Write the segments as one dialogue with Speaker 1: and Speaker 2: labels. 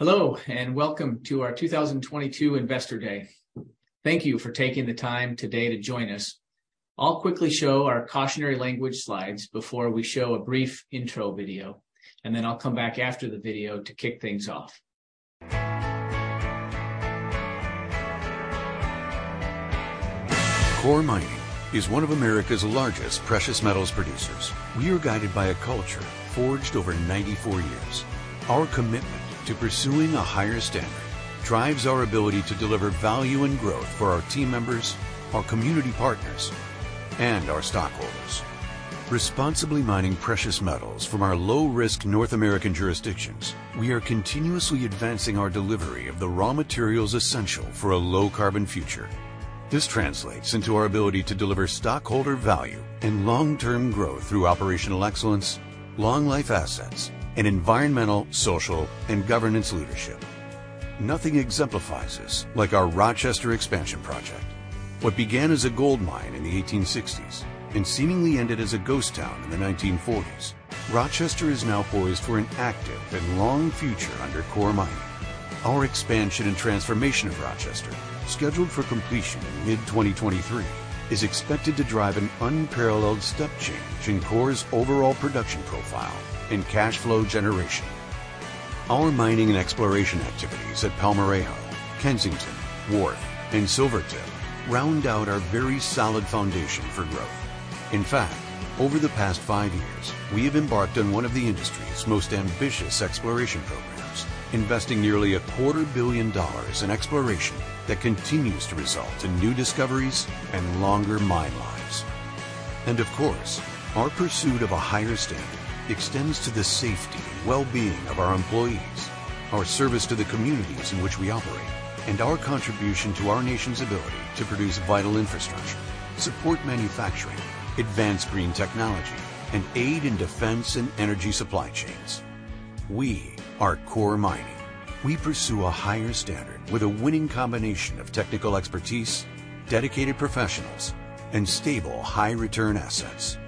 Speaker 1: Hello, and welcome to our 2022 Investor Day. Thank you for taking the time today to join us. I'll quickly show our cautionary language slides before we show a brief intro video, and then I'll come back after the video to kick things off.
Speaker 2: Coeur Mining is one of America's largest precious metals producers. We are guided by a culture forged over 94 years. Our commitment to pursuing a higher standard drives our ability to deliver value and growth for our team members, our community partners, and our stockholders. Responsibly mining precious metals from our low-risk North American jurisdictions, we are continuously advancing our delivery of the raw materials essential for a low-carbon future. This translates into our ability to deliver stockholder value and long-term growth through operational excellence, long life assets, and environmental, social, and governance leadership. Nothing exemplifies this like our Rochester expansion project. What began as a gold mine in the 1860s and seemingly ended as a ghost town in the 1940s, Rochester is now poised for an active and long future under Coeur Mining. Our expansion and transformation of Rochester, scheduled for completion in mid-2023, is expected to drive an unparalleled step change in Coeur's overall production profile and cash flow generation. Our mining and exploration activities at Palmarejo, Kensington, Wharf, and Silvertip round out our very solid foundation for growth. In fact, over the past five years, we have embarked on one of the industry's most ambitious exploration programs, investing nearly a quarter billion dollars in exploration that continues to result in new discoveries and longer mine lives. Of course, our pursuit of a higher standard extends to the safety and well-being of our employees, our service to the communities in which we operate, and our contribution to our nation's ability to produce vital infrastructure, support manufacturing, advance green technology, and aid in defense and energy supply chains. We are Coeur Mining. We pursue a higher standard with a winning combination of technical expertise, dedicated professionals, and stable high-return assets.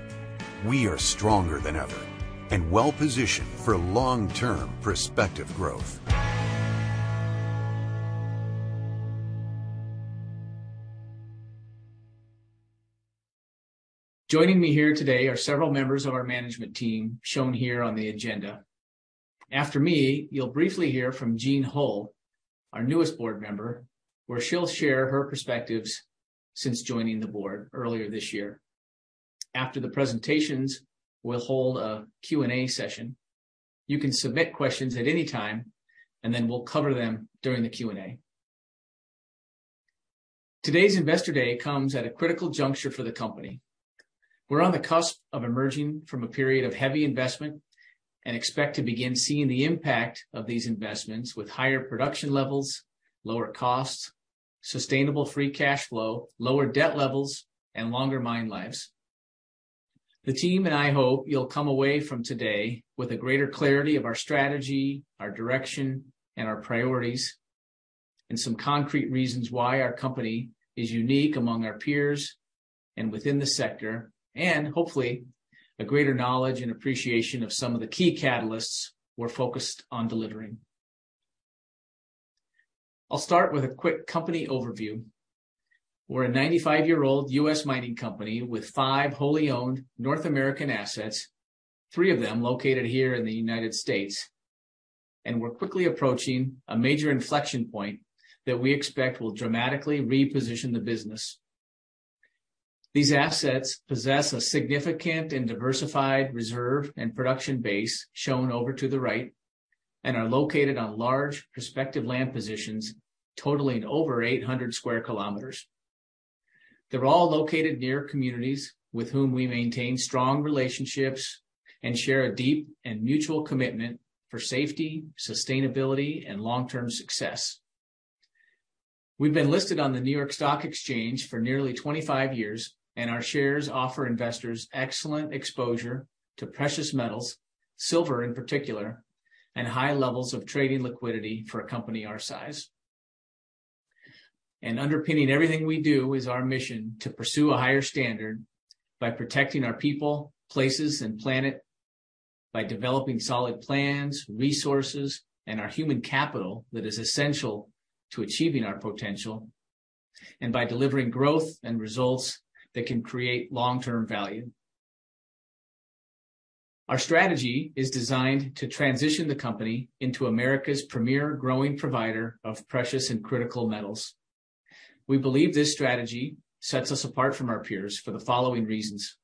Speaker 2: We are stronger than ever and well-positioned for long-term prospective growth.
Speaker 1: Joining me here today are several members of our management team shown here on the agenda. After me, you'll briefly hear from Jeane Hull, our newest Board Member, where she'll share her perspectives since joining the Board earlier this year. After the presentations, we'll hold a Q&A session. You can submit questions at any time, then wee'll cover them during the Q&A. Today's Investor Day comes at a critical juncture for the company. We're on the cusp of emerging from a period of heavy investment and expect to begin seeing the impact of these investments with higher production levels, lower costs, sustainable free cash flow, lower debt levels, and longer mine lives. The team and I hope you'll come away from today with a greater clarity of our strategy, our direction, and our priorities, and some concrete reasons why our company is unique among our peers and within the sector. Hopefully, a greater knowledge and appreciation of some of the key catalysts we're focused on delivering. I'll start with a quick company overview. We're a 95-year-old U.S. mining company with 5 wholly owned North American assets, 3 of them located here in the United States, and we're quickly approaching a major inflection point that we expect will dramatically reposition the business. These assets possess a significant and diversified reserve and production base, shown over to the right, are located on large prospective land positions totaling over 800 square kilometers. They're all located near communities with whom we maintain strong relationships and share a deep and mutual commitment for safety, sustainability, and long-term success. We've been listed on the New York Stock Exchange for nearly 25 years, our shares offer investors excellent exposure to precious metals, silver in particular, and high levels of trading liquidity for a company our size. Underpinning everything we do is our mission to pursue a higher standard by protecting our people, places, and planet, by developing solid plans, resources, and our human capital that is essential to achieving our potential, and by delivering growth and results that can create long-term value. Our strategy is designed to transition the company into America's premier growing provider of precious and critical metals. We believe this strategy sets us apart from our peers for the following reasons.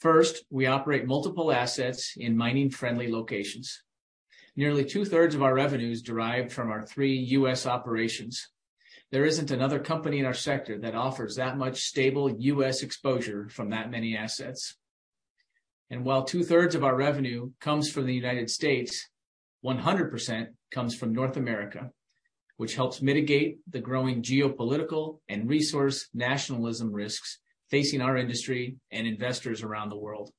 Speaker 1: First, we operate multiple assets in mining-friendly locations. Nearly 2/3 of our revenue is derived from our 3 U.S. operations. There isn't another company in our sector that offers that much stable U.S. exposure from that many assets. While 2/3 of our revenue comes from the United States, 100% comes from North America, which helps mitigate the growing geopolitical and resource nationalism risks facing our industry and investors around the world.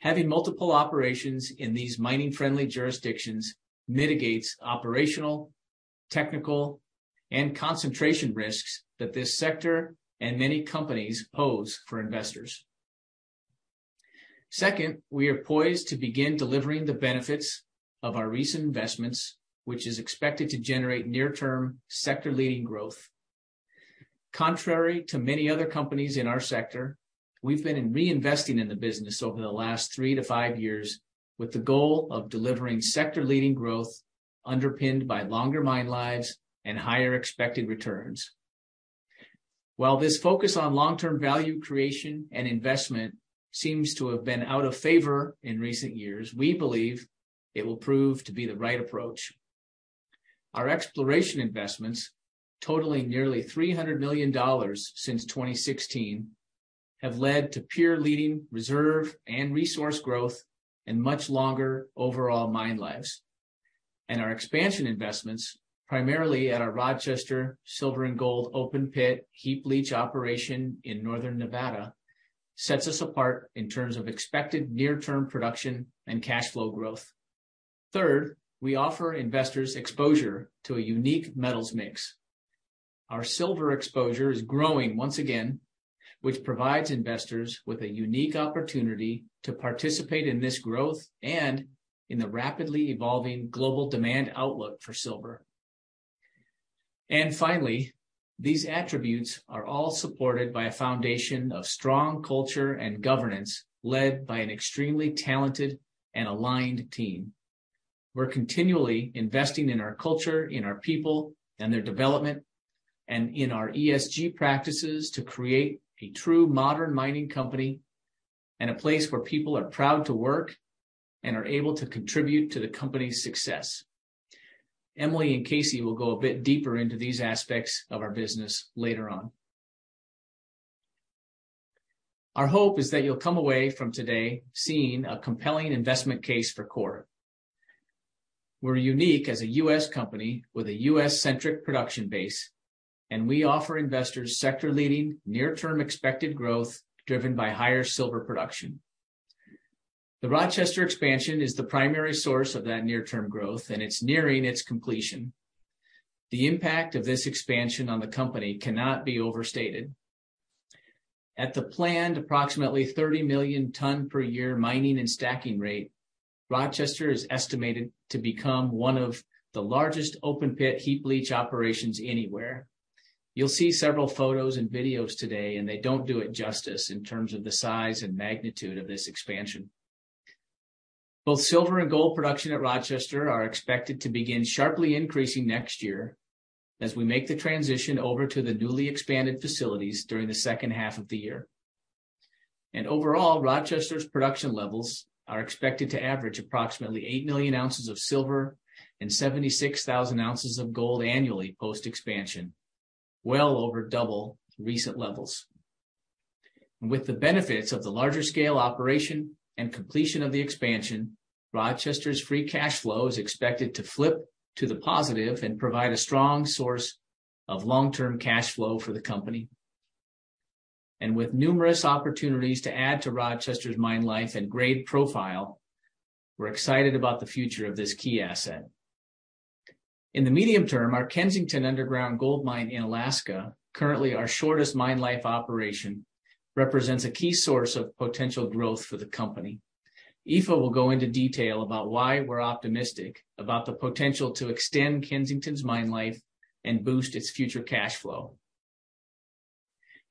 Speaker 1: Having multiple operations in these mining-friendly jurisdictions mitigates operational, technical, and concentration risks that this sector and many companies pose for investors. Second, we are poised to begin delivering the benefits of our recent investments, which is expected to generate near-term sector-leading growth. Contrary to many other companies in our sector, we've been reinvesting in the business over the last three to five years with the goal of delivering sector-leading growth underpinned by longer mine lives and higher expected returns. While this focus on long-term value creation and investment seems to have been out of favor in recent years, we believe it will prove to be the right approach. Our exploration investments, totaling nearly $300 million since 2016, have led to peer-leading reserve and resource growth and much longer overall mine lives. Our expansion investments, primarily at our Rochester silver and gold open pit heap leach operation in Northern Nevada, sets us apart in terms of expected near-term production and cash flow growth. Third, we offer investors exposure to a unique metals mix. Our silver exposure is growing once again, which provides investors with a unique opportunity to participate in this growth and in the rapidly evolving global demand outlook for silver. Finally, these attributes are all supported by a foundation of strong culture and governance led by an extremely talented and aligned team. We're continually investing in our culture, in our people and their development, and in our ESG practices to create a true modern mining company and a place where people are proud to work and are able to contribute to the company's success. Emilie and Casey will go a bit deeper into these aspects of our business later on. Our hope is that you'll come away from today seeing a compelling investment case for Coeur. We're unique as a US company with a US-centric production base, and we offer investors sector-leading near-term expected growth driven by higher silver production. The Rochester expansion is the primary source of that near-term growth, and it's nearing its completion. The impact of this expansion on the company cannot be overstated. At the planned approximately 30 million ton per year mining and stacking rate, Rochester is estimated to become one of the largest open pit heap leach operations anywhere. You'll see several photos and videos today, and they don't do it justice in terms of the size and magnitude of this expansion. Both silver and gold production at Rochester are expected to begin sharply increasing next year as we make the transition over to the newly expanded facilities during the second half of the year. Overall, Rochester's production levels are expected to average approximately 8 million ounces of silver and 76,000 ounces of gold annually post-expansion, well over double recent levels. With the benefits of the larger scale operation and completion of the expansion, Rochester's free cash flow is expected to flip to the positive and provide a strong source of long-term cash flow for the company. With numerous opportunities to add to Rochester's mine life and grade profile, we're excited about the future of this key asset. In the medium term, our Kensington underground gold mine in Alaska, currently our shortest mine life operation, represents a key source of potential growth for the company. AMIfe will go into detail about why we're optimistic about the potential to extend Kensington's mine life and boost its future cash flow.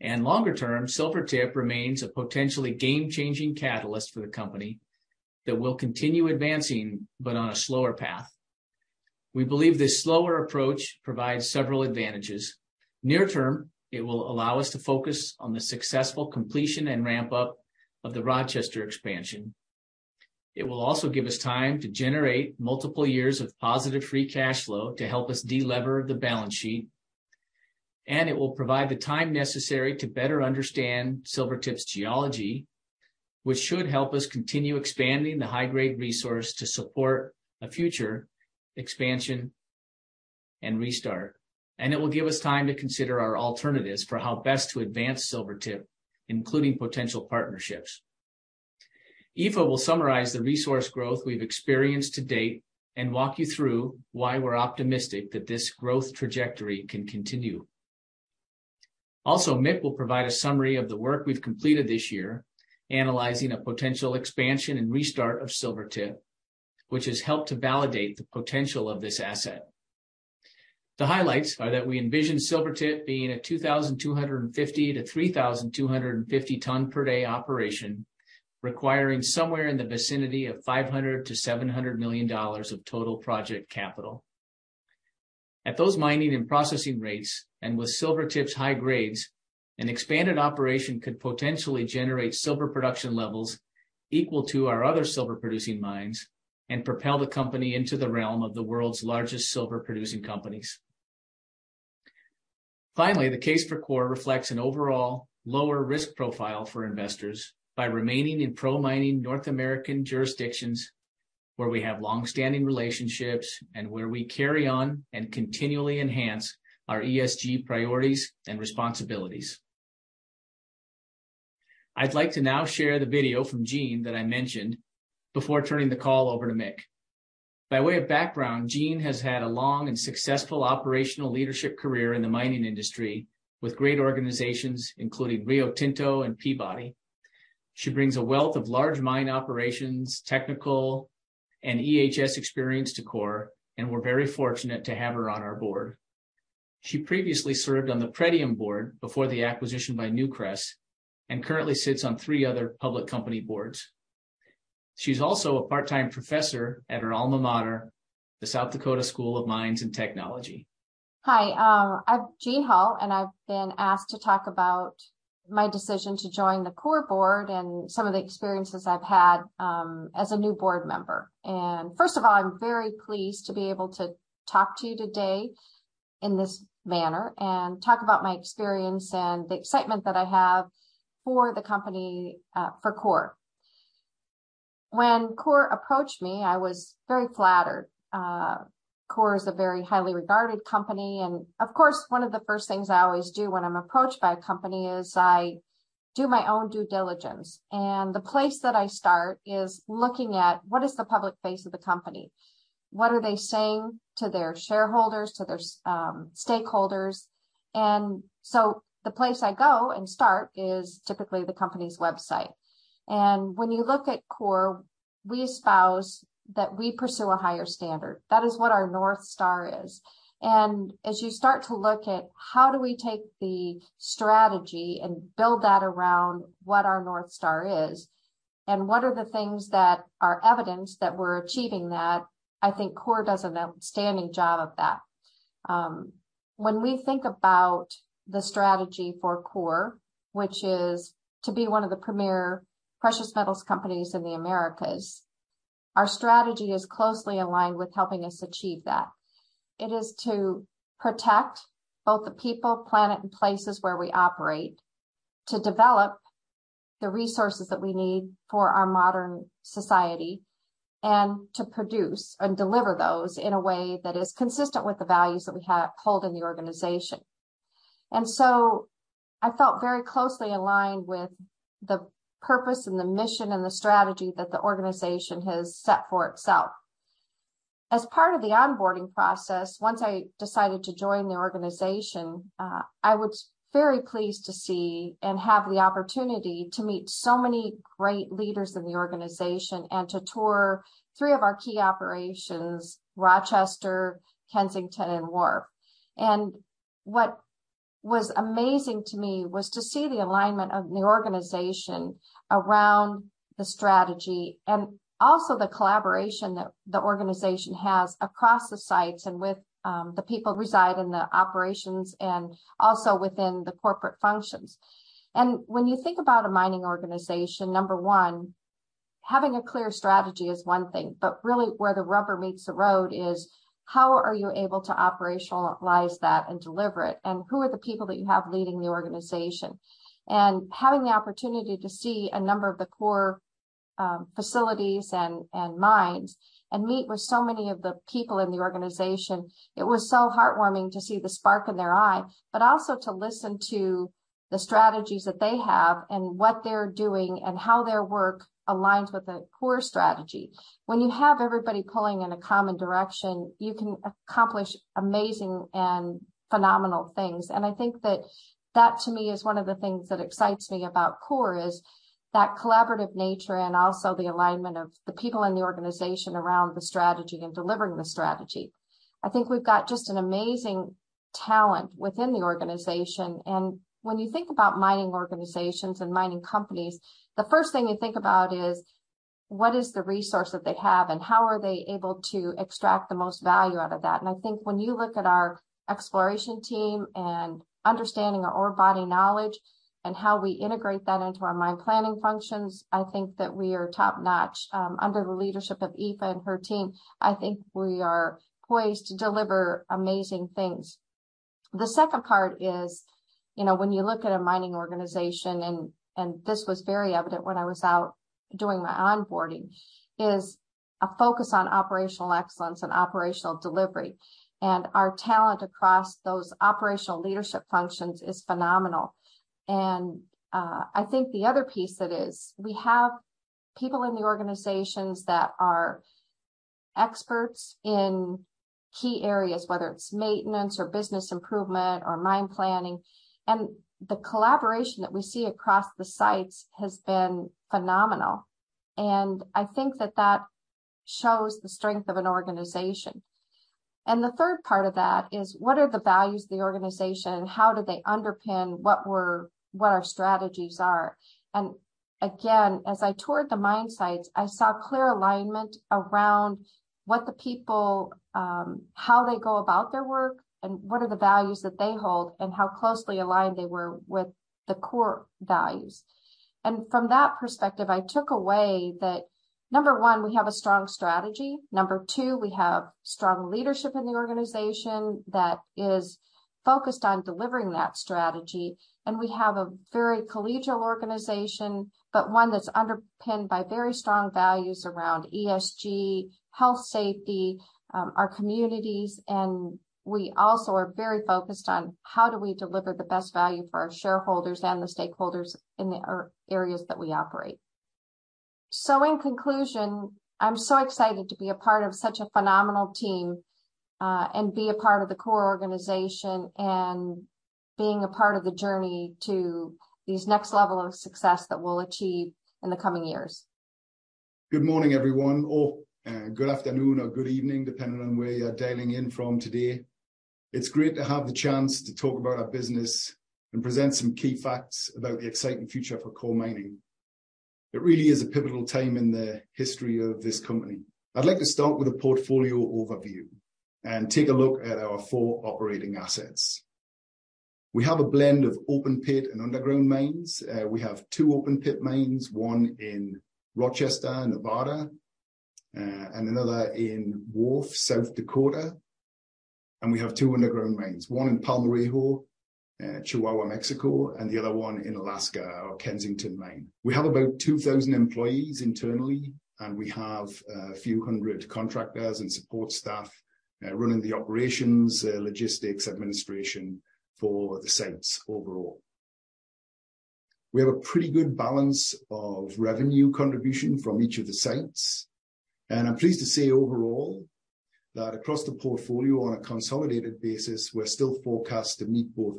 Speaker 1: Longer term, Silvertip remains a potentially game-changing catalyst for the company that will continue advancing but on a slower path. We believe this slower approach provides several advantages. Near term, it will allow us to focus on the successful completion and ramp up of the Rochester expansion. It will also give us time to generate multiple years of positive free cash flow to help us de-lever the balance sheet. It will provide the time necessary to better understand Silvertip's geology, which should help us continue expanding the high-grade resource to support a future expansion and restart. It will give us time to consider our alternatives for how best to advance Silvertip, including potential partnerships. AMIfe will summarize the resource growth we've experienced to date and walk you through why we're optimistic that this growth trajectory can continue. Also, Mick will provide a summary of the work we've completed this year, analyzing a potential expansion and restart of Silvertip, which has helped to validate the potential of this asset. The highlights are that we envision Silvertip being a 2,250-3,250 ton per day operation, requiring somewhere in the vicinity of $500 million-$700 million of total project capital. At those mining and processing rates, and with Silvertip's high grades, an expanded operation could potentially generate silver production levels equal to our other silver producing mines and propel the company into the realm of the world's largest silver producing companies. Finally, the case for Coeur reflects an overall lower risk profile for investors by remaining in pro-mining North American jurisdictions where we have long-standing relationships and where we carry on and continually enhance our ESG priorities and responsibilities. I'd like to now share the video from Jeane that I mentioned before turning the call over to Mick. By way of background, Jeane has had a long and successful operational leadership career in the mining industry with great organizations, including Rio Tinto and Peabody. She brings a wealth of large mine operations, technical and EHS experience to Coeur, and we're very fortunate to have her on our board. She previously served on the Pretium board before the acquisition by Newcrest, and currently sits on three other public company boards. She's also a part-time professor at her alma mater, the South Dakota School of Mines and Technology.
Speaker 3: Hi, I'm Jeane Hull. I've been asked to talk about my decision to join the Coeur board and some of the experiences I've had as a new board member. First of all, I'm very pleased to be able to talk to you today in this manner and talk about my experience and the excitement that I have for the company, for Coeur. When Coeur approached me, I was very flattered. Coeur is a very highly regarded company and of course, one of the first things I always do when I'm approached by a company is I do my own due diligence. The place that I start is looking at what is the public face of the company? What are they saying to their shareholders, to their stakeholders? The place I go and start is typically the company's website. When you look at Coeur, we espouse that we pursue a higher standard. That is what our North Star is. As you start to look at how do we take the strategy and build that around what our North Star is, and what are the things that are evidence that we're achieving that, I think Coeur does an outstanding job of that. When we think about the strategy for Coeur, which is to be one of the premier precious metals companies in the Americas, our strategy is closely aligned with helping us achieve that. It is to protect both the people, planet and places where we operate, to develop the resources that we need for our modern society, and to produce and deliver those in a way that is consistent with the values that we have held in the organization. I felt very closely aligned with the purpose and the mission and the strategy that the organization has set for itself. As part of the onboarding process, once I decided to join the organization, I was very pleased to see and have the opportunity to meet so many great leaders in the organization and to tour three of our key operations, Rochester, Kensington and Wharf. What was amazing to me was to see the alignment of the organization around the strategy and also the collaboration that the organization has across the sites and with the people who reside in the operations and also within the corporate functions. When you think about a mining organization, number one, having a clear strategy is one thing, but really where the rubber meets the road is how are you able to operationalize that and deliver it, and who are the people that you have leading the organization? Having the opportunity to see a number of the Coeur facilities and mines, and meet with so many of the people in the organization, it was so heartwarming to see the spark in their eye, but also to listen to the strategies that they have and what they're doing and how their work aligns with the Coeur strategy. When you have everybody pulling in a common direction, you can accomplish amazing and phenomenal things. I think that that to me is one of the things that excites me about Coeur is that collaborative nature and also the alignment of the people in the organization around the strategy and delivering the strategy. I think we've got just an amazing talent within the organization, and when you think about mining organizations and mining companies, the first thing you think about is what is the resource that they have and how are they able to extract the most value out of that. I think when you look at our exploration team and understanding our orebody knowledge and how we integrate that into our mine planning functions, I think that we are top-notch, under the leadership of AMIfe and her team, I think we are poised to deliver amazing things. The second part is, you know, when you look at a mining organization and this was very evident when I was out doing my onboarding, is a focus on operational excellence and operational delivery. Our talent across those operational leadership functions is phenomenal. I think the other piece that is, we have people in the organizations that are experts in key areas, whether it's maintenance or business improvement or mine planning, and the collaboration that we see across the sites has been phenomenal. I think that that shows the strength of an organization. The third part of that is what are the values of the organization and how do they underpin what we're, what our strategies are. As I toured the mine sites, I saw clear alignment around what the people, how they go about their work and what are the values that they hold and how closely aligned they were with the Coeur values. From that perspective, I took away that, Number 1, we have a strong strategy. Number 2, we have strong leadership in the organization that is focused on delivering that strategy. We have a very collegial organization, but one that's underpinned by very strong values around ESG, health safety, our communities, and we also are very focused on how do we deliver the best value for our shareholders and the stakeholders in the areas that we operate. In conclusion, I'm so excited to be a part of such a phenomenal team, and be a part of the Coeur organization and being a part of the journey to these next level of success that we'll achieve in the coming years.
Speaker 1: Good morning, everyone, or good afternoon or good evening, depending on where you're dialing in from today. It's great to have the chance to talk about our business and present some key facts about the exciting future for Coeur Mining. It really is a pivotal time in the history of this company. I'd like to start with a portfolio overview and take a look at our four operating assets. We have a blend of open pit and underground mines. We have two open pit mines, one in Rochester, Nevada, and another in Wharf, South Dakota. We have two underground mines, one in Palmarejo, Chihuahua, Mexico, and the other one in Alaska, our Kensington mine. We have about 2,000 employees internally, and we have a few hundred contractors and support staff, running the operations, logistics, administration for the sites overall. We have a pretty good balance of revenue contribution from each of the sites, and I'm pleased to say overall that across the portfolio on a consolidated basis, we're still forecast to meet both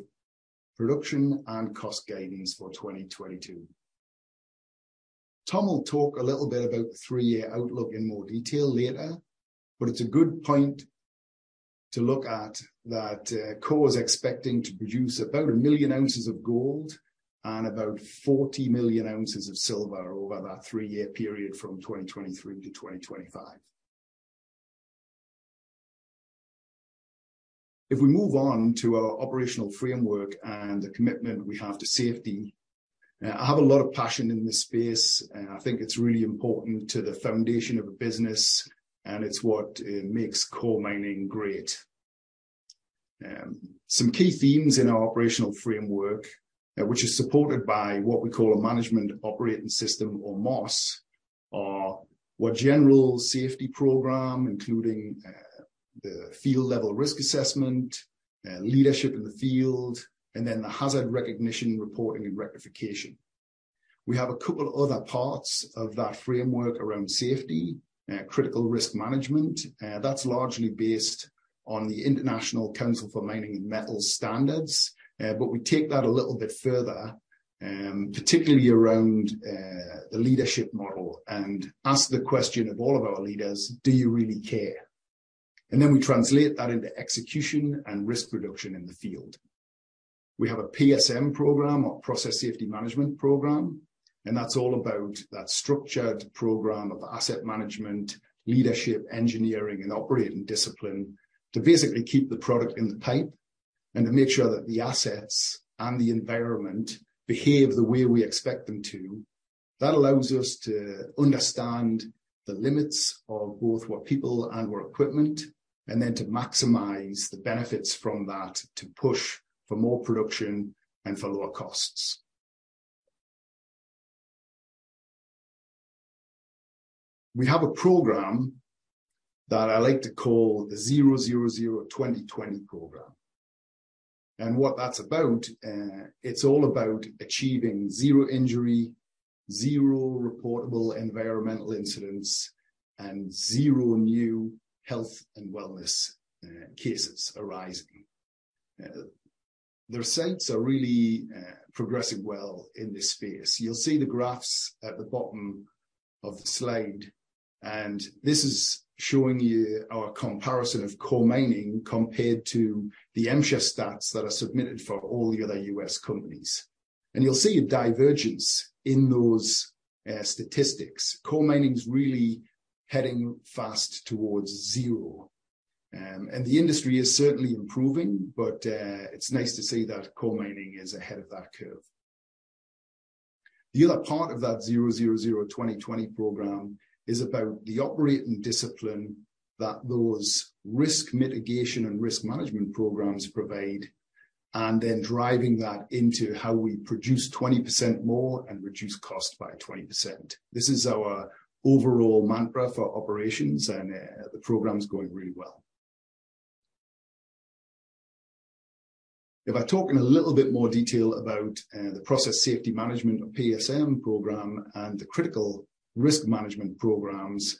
Speaker 1: production and cost guidance for 2022. Tom will talk a little bit about the 3-year outlook in more detail later, it's a good point to look at that, Coeur is expecting to produce about 1 million ounces of gold and about 40 million ounces of silver over that 3-year period from 2023 to 2025. If we move on to our operational framework and the commitment we have to safety. I have a lot of passion in this space, and I think it's really important to the foundation of a business, and it's what makes Coeur Mining great. Some key themes in our operational framework, which is supported by what we call a Management Operating System or MOS, are our general safety program, including the field level risk assessment, leadership in the field, and then the hazard recognition, reporting and rectification. We have a couple of other parts of that framework around safety. Critical risk management. That's largely based on the International Council on Mining and Metals standards, but we take that a little bit further, particularly around the leadership model and ask the question of all of our leaders, "Do you really care?" Then we translate that into execution and risk reduction in the field. We have a PSM program or Process Safety Management program, and that's all about that structured program of asset management, leadership, engineering, and operating discipline to basically keep the product in the pipe and to make sure that the assets and the environment behave the way we expect them to. That allows us to understand the limits of both our people and our equipment, and then to maximize the benefits from that to push for more production and for lower costs. We have a program that I like to call the Zero Zero Zero/Twenty-Twenty program. What that's about, it's all about achieving zero injury, zero reportable environmental incidents, and zero new health and wellness cases arising. The sites are really progressing well in this space. You'll see the graphs at the bottom of the slide. This is showing you our comparison of Coeur Mining compared to the MSHA stats that are submitted for all the other U.S. companies. You'll see a divergence in those statistics. Coeur Mining is really heading fast towards zero. The industry is certainly improving, but it's nice to see that Coeur Mining is ahead of that curve. The other part of that Zero Zero Zero/Twenty-Twenty program is about the operating discipline that those risk mitigation and risk management programs provide, and then driving that into how we produce 20% more and reduce cost by 20%. This is our overall mantra for operations. The program's going really well. If I talk in a little bit more detail about the Process Safety Management or PSM program and the critical risk management programs.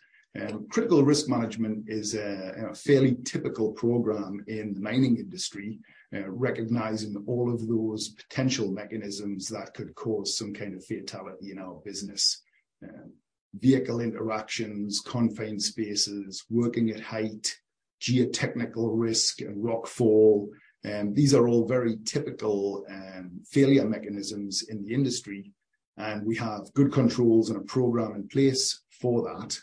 Speaker 1: Critical risk management is a fairly typical program in the mining industry. Recognizing all of those potential mechanisms that could cause some kind of fatality in our business. Vehicle interactions, confined spaces, working at height, geotechnical risk and rock fall. These are all very typical failure mechanisms in the industry, we have good controls and a program in place for that.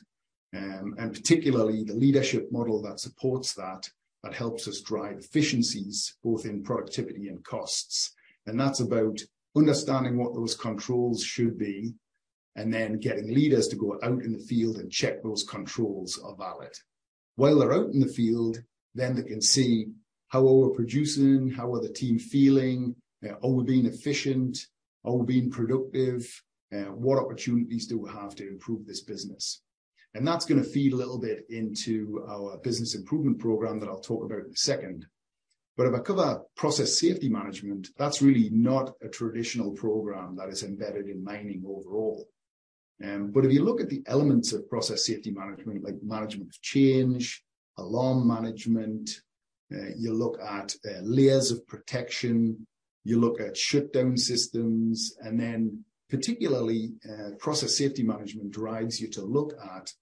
Speaker 1: Particularly the leadership model that supports that helps us drive efficiencies both in productivity and costs. That's about understanding what those controls should be and then getting leaders to go out in the field and check those controls are valid. While they're out in the field, then they can see how well we're producing, how are the team feeling, are we being efficient, are we being productive, what opportunities do we have to improve this business? That's gonna feed a little bit into our business improvement program that I'll talk about in a second. If I cover Process Safety Management, that's really not a traditional program that is embedded in mining overall. If you look at the elements of Process Safety Management, like management of change, alarm management, you look at layers of protection, you look at shutdown systems, and then particularly, Process Safety Management drives you to look at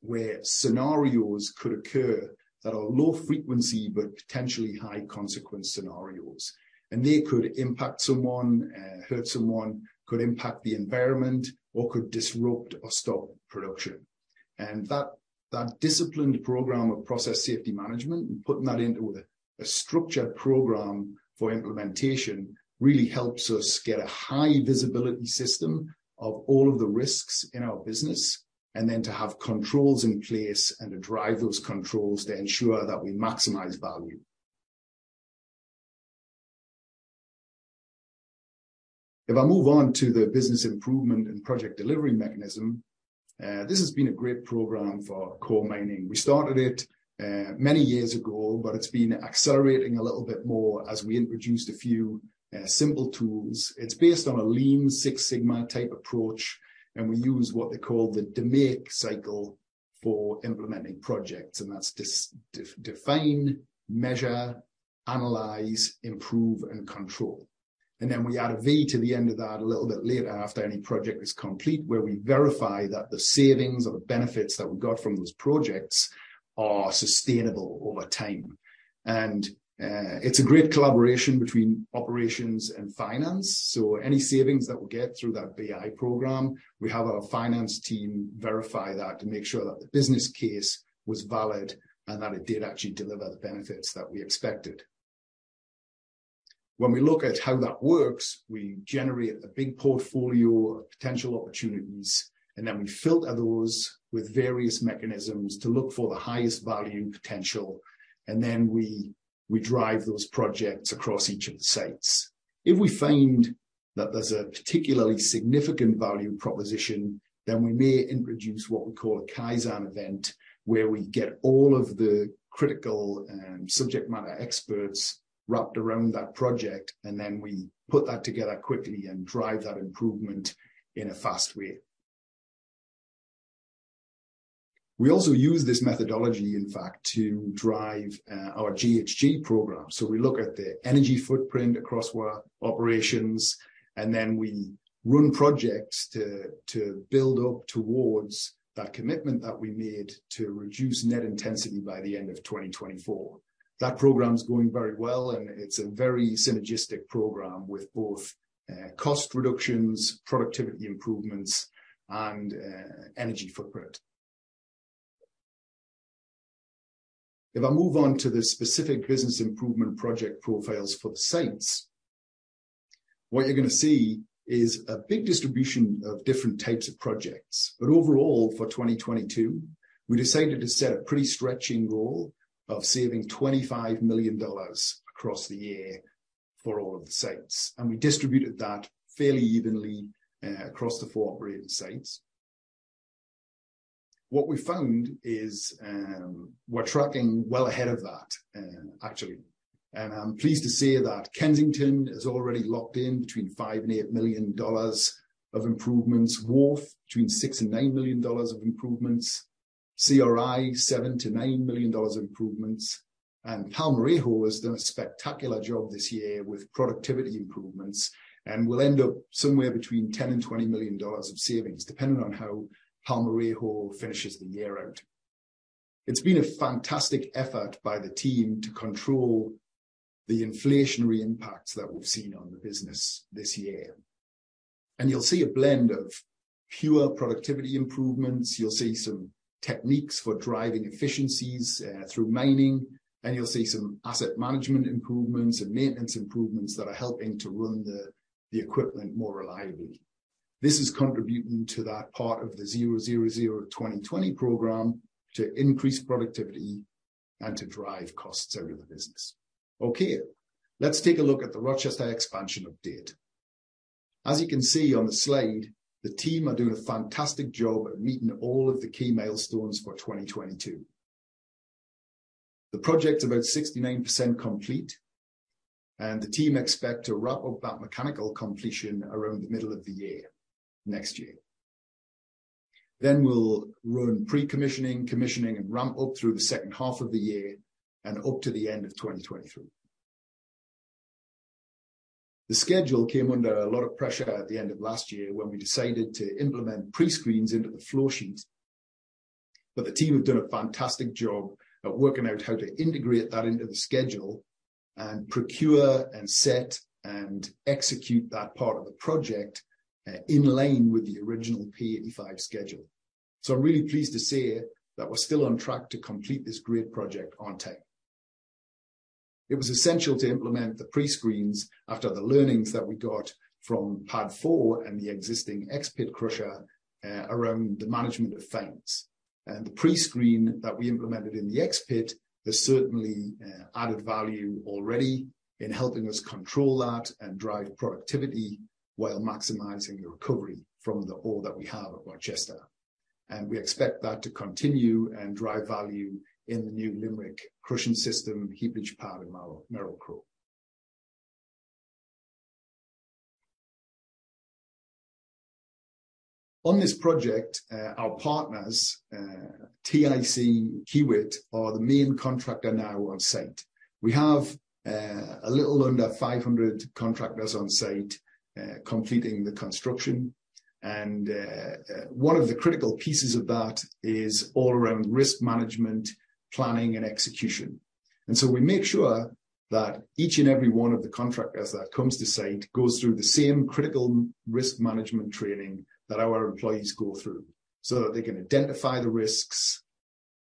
Speaker 1: where scenarios could occur that are low frequency but potentially high consequence scenarios. They could impact someone, hurt someone, could impact the environment, or could disrupt or stop production. That disciplined program of Process Safety Management and putting that into a structured program for implementation really helps us get a high visibility system of all of the risks in our business, and then to have controls in place and to drive those controls to ensure that we maximize value. If I move on to the business improvement and project delivery mechanism, this has been a great program for Coeur Mining. We started it many years ago, but it's been accelerating a little bit more as we introduced a few simple tools. It's based on a Lean Six Sigma type approach, and we use what they call the DMAIC cycle for implementing projects, and that's define, measure, analyze, improve, and control. Then we add a V to the end of that a little bit later after any project is complete, where we verify that the savings or the benefits that we got from those projects are sustainable over time. It's a great collaboration between operations and finance. Any savings that we get through that BI program, we have our finance team verify that to make sure that the business case was valid and that it did actually deliver the benefits that we expected. We look at how that works, we generate a big portfolio of potential opportunities, then we filter those with various mechanisms to look for the highest value potential. Then we drive those projects across each of the sites. If we find that there's a particularly significant value proposition, then we may introduce what we call a Kaizen event, where we get all of the critical subject matter experts wrapped around that project, and then we put that together quickly and drive that improvement in a fast way. We also use this methodology, in fact, to drive our GHG program. We look at the energy footprint across our operations, and then we run projects to build up towards that commitment that we made to reduce net intensity by the end of 2024. That program is going very well, and it's a very synergistic program with both cost reductions, productivity improvements, and energy footprint. If I move on to the specific business improvement project profiles for the sites, what you're gonna see is a big distribution of different types of projects. Overall, for 2022, we decided to set a pretty stretching goal of saving $25 million across the year for all of the sites. We distributed that fairly evenly across the four operating sites. What we found is, we're tracking well ahead of that, actually. I'm pleased to say that Kensington has already locked in between $5 million-$8 million of improvements. Wharf, between $6 million-$9 million of improvements. CRI, $7 million-$9 million of improvements. Palmarejo has done a spectacular job this year with productivity improvements and will end up somewhere between $10 million-$20 million of savings, depending on how Palmarejo finishes the year out. It's been a fantastic effort by the team to control the inflationary impacts that we've seen on the business this year. You'll see a blend of pure productivity improvements, you'll see some techniques for driving efficiencies through mining, and you'll see some asset management improvements and maintenance improvements that are helping to run the equipment more reliably. This is contributing to that part of the Zero Zero Zero/Twenty-Twenty program to increase productivity and to drive costs out of the business. Okay, let's take a look at the Rochester expansion update. As you can see on the slide, the team are doing a fantastic job at meeting all of the key milestones for 2022. The project's about 69% complete, and the team expect to wrap up that mechanical completion around the middle of the year, next year. We'll run pre-commissioning, commissioning, and ramp up through the second half of the year and up to the end of 2023. The schedule came under a lot of pressure at the end of last year when we decided to implement pre-screens into the flow sheet. The team have done a fantastic job at working out how to integrate that into the schedule and procure and set and execute that part of the project, in line with the original P85 schedule. I'm really pleased to say that we're still on track to complete this great project on time. It was essential to implement the pre-screens after the learnings that we got from pad four and the existing X-pit crusher, around the management of fines. The pre-screen that we implemented in the X-pit has certainly added value already in helping us control that and drive productivity while maximizing the recovery from the ore that we have at Rochester. We expect that to continue and drive value in the new Limerick crushing system heap leach pad and Merrill-Crowe. On this project, our partners, TIC Kiewit are the main contractor now on site. We have a little under 500 contractors on site completing the construction. One of the critical pieces of that is all around risk management, planning and execution. We make sure that each and every one of the contractors that comes to site goes through the same critical risk management training that our employees go through, so that they can identify the risks,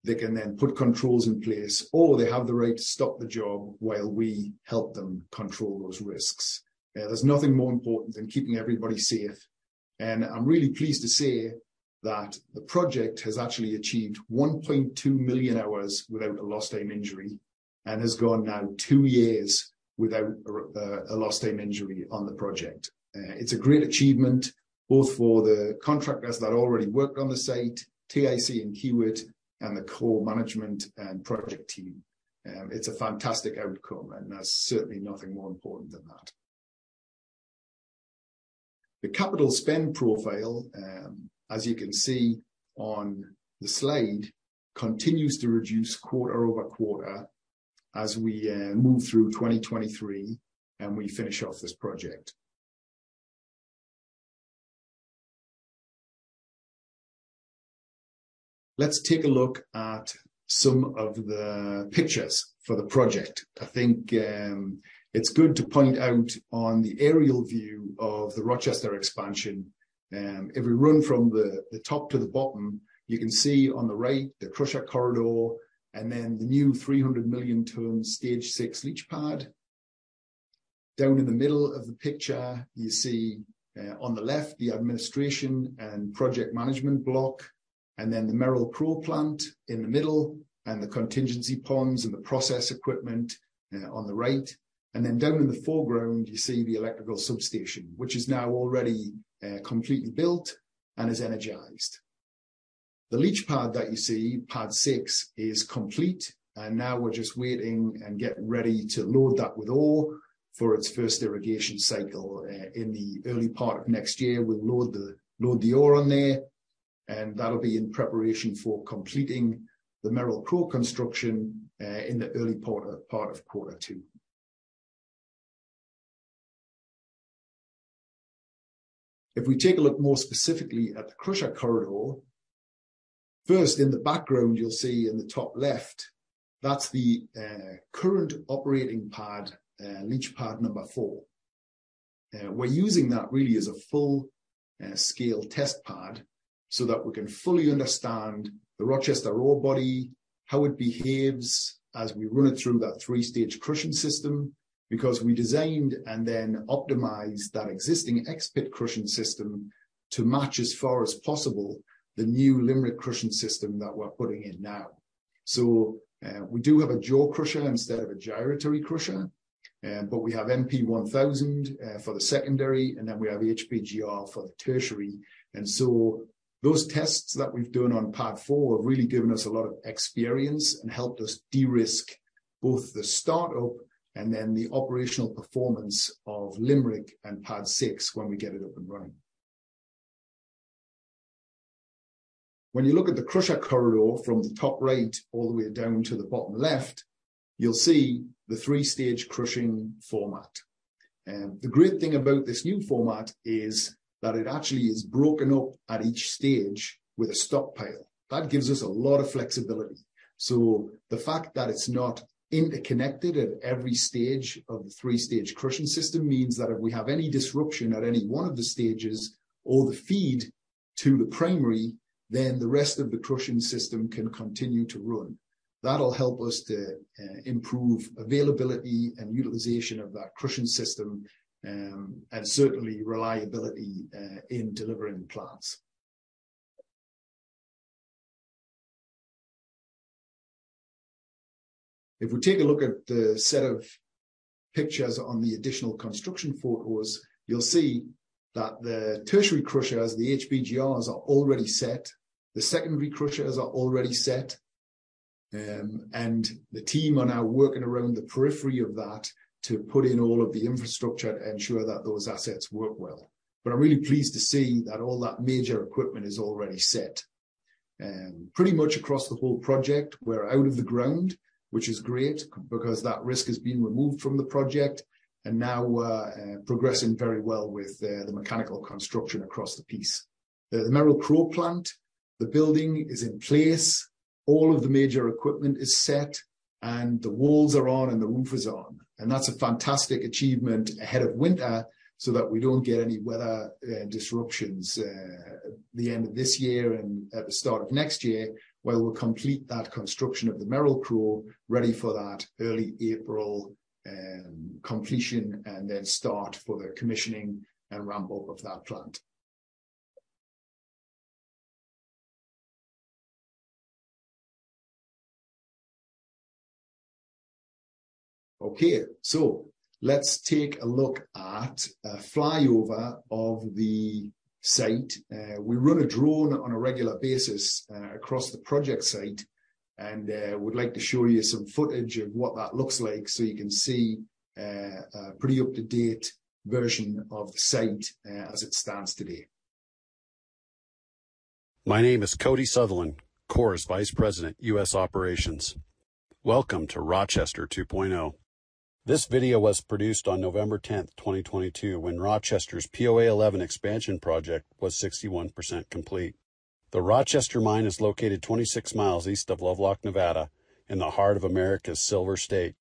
Speaker 1: they can then put controls in place, or they have the right to stop the job while we help them control those risks. There's nothing more important than keeping everybody safe. I'm really pleased to say that the project has actually achieved 1.2 million hours without a lost-time injury, and has gone now 2 years without a lost-time injury on the project. It's a great achievement, both for the contractors that already worked on the site, TIC and Kiewit, and the Coeur management and project team. It's a fantastic outcome, and there's certainly nothing more important than that. The capital spend profile, as you can see on the slide, continues to reduce quarter-over-quarter as we move through 2023, and we finish off this project. Let's take a look at some of the pictures for the project. I think it's good to point out on the aerial view of the Rochester expansion, if we run from the top to the bottom, you can see on the right, the crusher corridor and then the new 300 million tons Stage 6 leach pad. Down in the middle of the picture, you see on the left, the administration and project management block, and then the Merrill-Crowe plant in the middle, and the contingency ponds and the process equipment on the right. Down in the foreground, you see the electrical substation, which is now already completely built and is energized. The leach pad that you see, Stage 6, is complete. Now we're just waiting and get ready to load that with ore for its first irrigation cycle. In the early part of next year, we'll load the ore on there, and that'll be in preparation for completing the Merrill-Crowe construction in the early part of quarter two. If we take a look more specifically at the crusher corridor, first in the background, you'll see in the top left, that's the current operating pad, leach pad number four. we're using that really as a full, scale test pad so that we can fully understand the Rochester ore body, how it behaves as we run it through that three-stage crushing system, because we designed and then optimized that existing X-pit crushing system to match as far as possible the new Limerick crushing system that we're putting in now. We do have a jaw crusher instead of a gyratory crusher, but we have MP1000 for the secondary, and then we have HPGR for the tertiary. Those tests that we've done on pad four have really given us a lot of experience and helped us de-risk both the start-up and then the operational performance of Limerick and Stage 6 when we get it up and running. When you look at the crusher corridor from the top right all the way down to the bottom left, you'll see the three-stage crushing format. The great thing about this new format is that it actually is broken up at each stage with a stockpile. That gives us a lot of flexibility. The fact that it's not interconnected at every stage of the three-stage crushing system means that if we have any disruption at any one of the stages or the feed to the primary, then the rest of the crushing system can continue to run. That'll help us to improve availability and utilization of that crushing system, and certainly reliability in delivering plants. If we take a look at the set of pictures on the additional construction photos, you'll see that the tertiary crushers, the HPGRs, are already set. The secondary crushers are already set. The team are now working around the periphery of that to put in all of the infrastructure to ensure that those assets work well. I'm really pleased to see that all that major equipment is already set. Pretty much across the whole project, we're out of the ground, which is great because that risk is being removed from the project, and now we're progressing very well with the mechanical construction across the piece. The Merrill-Crowe plant, the building is in place. All of the major equipment is set, and the walls are on and the roof is on. That's a fantastic achievement ahead of winter so that we don't get any weather disruptions at the end of this year and at the start of next year, while we complete that construction of the Merrill-Crowe ready for that early April completion and then start for the commissioning and ramp-up of that plant. Okay, let's take a look at a flyover of the site. We run a drone on a regular basis across the project site and would like to show you some footage of what that looks like so you can see a pretty up-to-date version of the site as it stands today.
Speaker 4: My name is Cody Sutherland, Coeur's Vice President, US Operations. Welcome to Rochester 2.0. This video was produced on November 10, 2022 when Rochester's POA 11 expansion project was 61% complete. The Rochester Mine is located 26 miles east of Lovelock, Nevada in the heart of America's Silver State.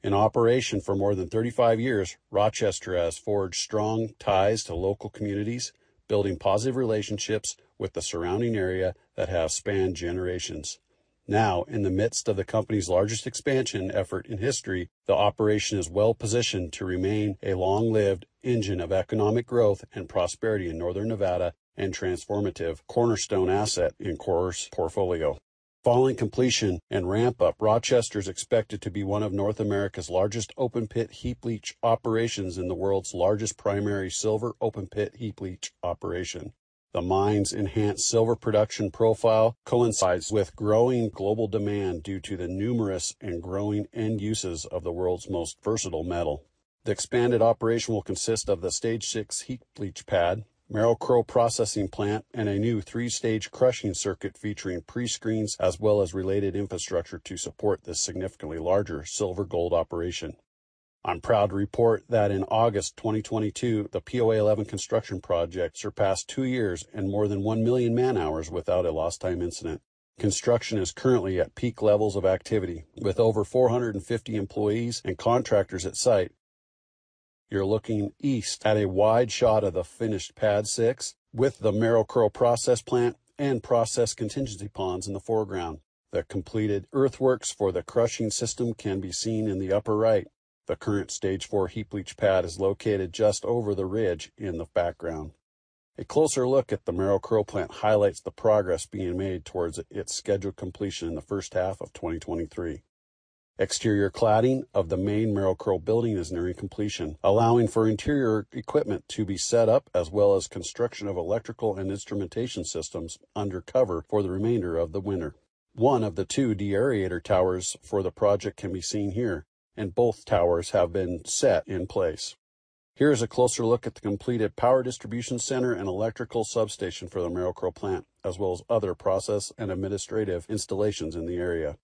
Speaker 4: In operation for more than 35 years, Rochester has forged strong ties to local communities, building positive relationships with the surrounding area that have spanned generations. Now, in the midst of the company's largest expansion effort in history, the operation is well-positioned to remain a long-lived engine of economic growth and prosperity in northern Nevada and transformative cornerstone asset in Coeur's portfolio. Following completion and ramp up, Rochester is expected to be one of North America's largest open pit heap leach operations and the world's largest primary silver open pit heap leach operation. The mine's enhanced silver production profile coincides with growing global demand due to the numerous and growing end uses of the world's most versatile metal. The expanded operation will consist of the Stage 6 heap leach pad, Merrill-Crowe processing plant, and a new 3-stage crushing circuit featuring pre-screens as well as related infrastructure to support this significantly larger silver gold operation. I'm proud to report that in August 2022, the POA 11 construction project surpassed two years and more than one million man-hours without a lost time incident. Construction is currently at peak levels of activity with over 450 employees and contractors at site. You're looking east at a wide shot of the finished pad 6 with the Merrill-Crowe process plant and process contingency ponds in the foreground. The completed earthworks for the crushing system can be seen in the upper right. The current stage four heap leach pad is located just over the ridge in the background. A closer look at the Merrill-Crowe plant highlights the progress being made towards its scheduled completion in the first half of 2023. Exterior cladding of the main Merrill-Crowe building is nearing completion, allowing for interior equipment to be set up as well as construction of electrical and instrumentation systems under cover for the remainder of the winter. 1 of the 2 deaerator towers for the project can be seen here, and both towers have been set in place. Here's a closer look at the completed power distribution center and electrical substation for the Merrill-Crowe plant, as well as other process and administrative installations in the area.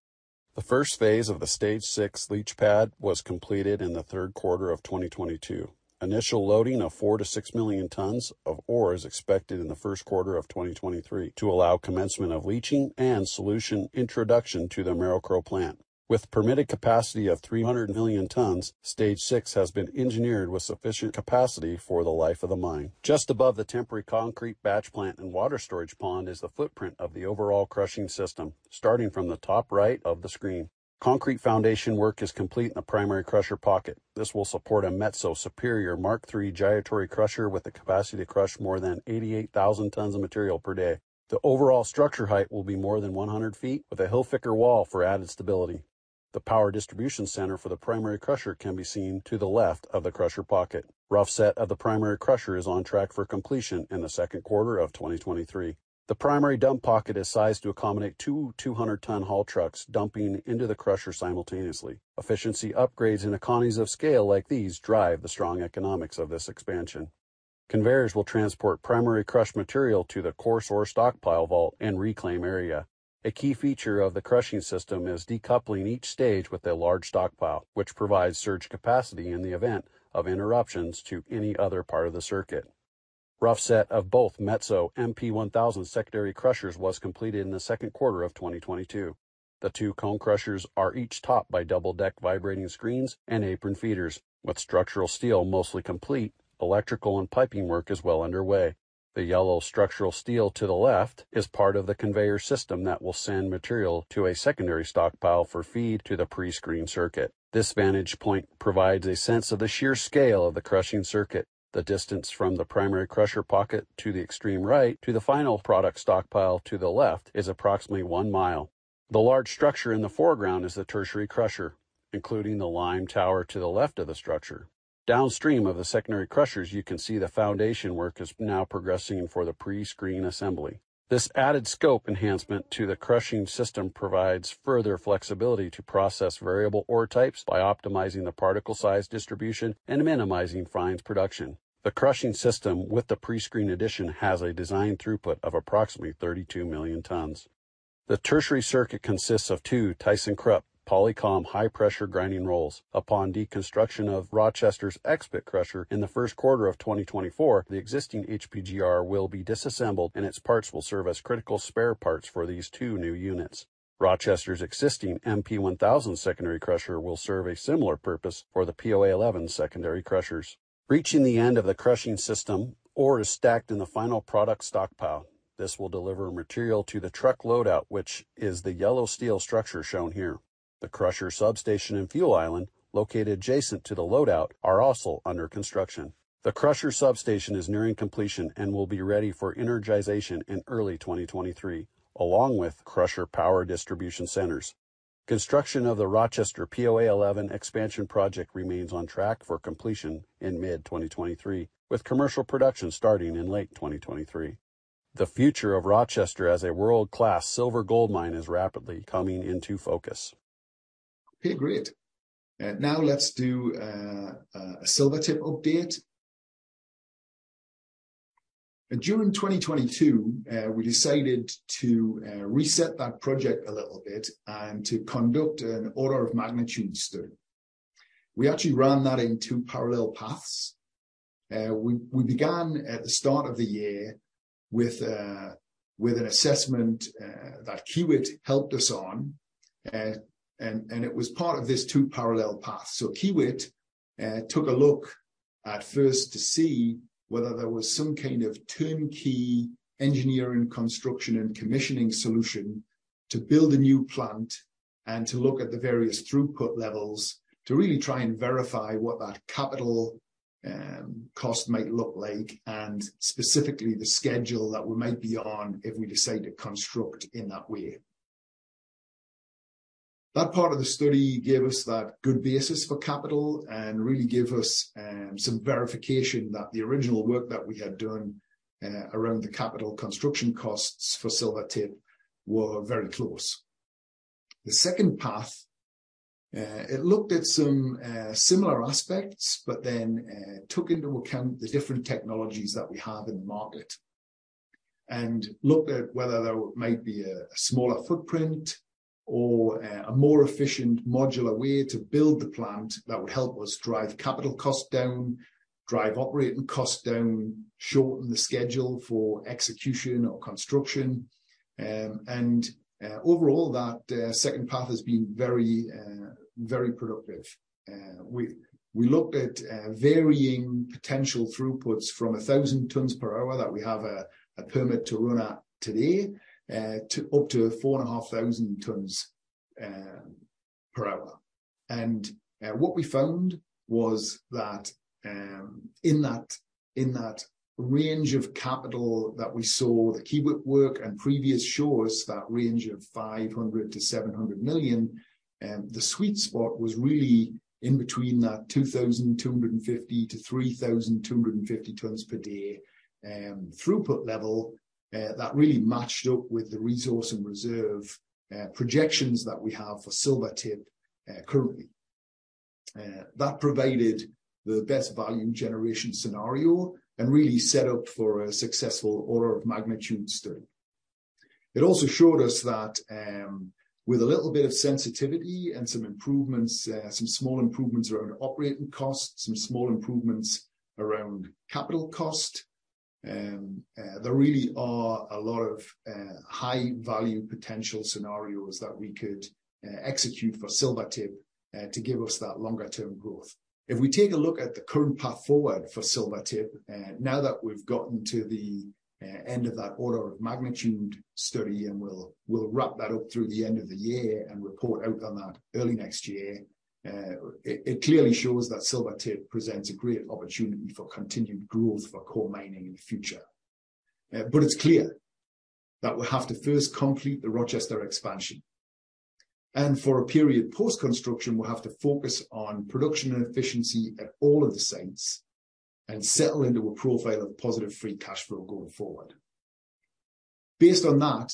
Speaker 4: The first phase of the Stage 6 leach pad was completed in the third quarter of 2022. Initial loading of 4 million-6 million tons of ore is expected in the first quarter of 2023 to allow commencement of leaching and solution introduction to the Merrill-Crowe plant. With permitted capacity of 300 million tons, Stage 6 has been engineered with sufficient capacity for the life of the mine. Just above the temporary concrete batch plant and water storage pond is the footprint of the overall crushing system. Starting from the top right of the screen. Concrete foundation work is complete in the primary crusher pocket. This will support a Metso Superior™ MKIII gyratory crusher with the capacity to crush more than 88,000 tons of material per day. The overall structure height will be more than 100 feet with a Hilfiker wall for added stability. The power distribution center for the primary crusher can be seen to the left of the crusher pocket. Rough set of the primary crusher is on track for completion in the second quarter of 2023. The primary dump pocket is sized to accommodate 2 200 ton haul trucks dumping into the crusher simultaneously. Efficiency upgrades and economies of scale like these drive the strong economics of this expansion. Conveyors will transport primary crushed material to the coarse ore stockpile vault and reclaim area. A key feature of the crushing system is decoupling each stage with a large stockpile, which provides surge capacity in the event of interruptions to any other part of the circuit. Rough set of both Metso MP1000 secondary crushers was completed in the second quarter of 2022. The two cone crushers are each topped by double deck vibrating screens and apron feeders. With structural steel mostly complete, electrical and piping work is well underway. The yellow structural steel to the left is part of the conveyor system that will send material to a secondary stockpile for feed to the pre-screen circuit. This vantage point provides a sense of the sheer scale of the crushing circuit. The distance from the primary crusher pocket to the extreme right to the final product stockpile to the left is approximately one mile. The large structure in the foreground is the tertiary crusher, including the lime tower to the left of the structure. Downstream of the secondary crushers, you can see the foundation work is now progressing for the pre-screen assembly. This added scope enhancement to the crushing system provides further flexibility to process variable ore types by optimizing the particle size distribution and minimizing fines production. The crushing system with the pre-screen addition has a design throughput of approximately 32 million tons. The tertiary circuit consists of 2 thyssenkrupp polycom High Pressure Grinding Rolls. Upon deconstruction of Rochester's X-pit crusher in the 1st quarter of 2024, the existing HPGR will be disassembled, and its parts will serve as critical spare parts for these 2 new units. Rochester's existing MP1000 secondary crusher will serve a similar purpose for the POA 11 secondary crushers. Reaching the end of the crushing system, ore is stacked in the final product stockpile. This will deliver material to the truck loadout, which is the yellow steel structure shown here. The crusher substation and fuel island, located adjacent to the loadout, are also under construction. The crusher substation is nearing completion and will be ready for energization in early 2023, along with crusher power distribution centers. Construction of the Rochester POA 11 expansion project remains on track for completion in mid-2023, with commercial production starting in late 2023. The future of Rochester as a world-class silver-gold mine is rapidly coming into focus.
Speaker 1: Okay, great. Now let's do a Silvertip update. During 2022, we decided to reset that project a little bit and to conduct an order of magnitude study. We actually ran that in 2 parallel paths. We began at the start of the year with an assessment that Kiewit helped us on, and it was part of this 2 parallel paths. Kiewit took a look at first to see whether there was some kind of turnkey engineering, construction, and commissioning solution to build a new plant and to look at the various throughput levels to really try and verify what that capital cost might look like, and specifically the schedule that we might be on if we decide to construct in that way. That part of the study gave us that good basis for capital and really gave us some verification that the original work that we had done around the capital construction costs for Silvertip were very close. The second path it looked at some similar aspects, then took into account the different technologies that we have in the market and looked at whether there might be a smaller footprint or a more efficient modular way to build the plant that would help us drive capital costs down, drive operating costs down, shorten the schedule for execution or construction. Overall, that second path has been very productive. We, we looked at varying potential throughputs from 1,000 tonnes per hour that we have a permit to run at today, to up to 4,500 tonnes per hour. What we found was that in that range of capital that we saw the Kiewit work and previous show us that range of $500 million-$700 million, the sweet spot was really in between that 2,250-3,250 tonnes per day throughput level that really matched up with the resource and reserve projections that we have for Silvertip currently. That provided the best value generation scenario and really set up for a successful order of magnitude study. It also showed us that, with a little bit of sensitivity and some improvements, some small improvements around operating costs, some small improvements around capital cost, there really are a lot of high-value potential scenarios that we could execute for Silvertip to give us that longer-term growth. If we take a look at the current path forward for Silvertip, now that we've gotten to the end of that order of magnitude study, and we'll wrap that up through the end of the year and report out on that early next year, it clearly shows that Silvertip presents a great opportunity for continued growth for Coeur Mining in the future. It's clear that we have to first complete the Rochester expansion. For a period post-construction, we'll have to focus on production and efficiency at all of the sites and settle into a profile of positive free cash flow going forward. Based on that,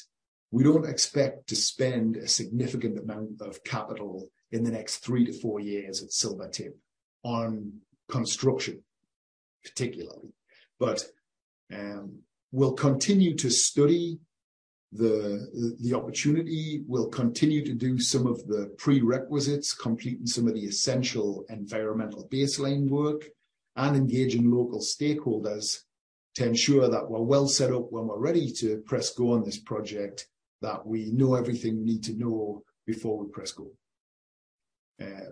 Speaker 1: we don't expect to spend a significant amount of capital in the next 3 to 4 years at Silvertip on construction particularly. We'll continue to study the opportunity. We'll continue to do some of the prerequisites, completing some of the essential environmental baseline work, and engaging local stakeholders to ensure that we're well set up when we're ready to press go on this project, that we know everything we need to know before we press go.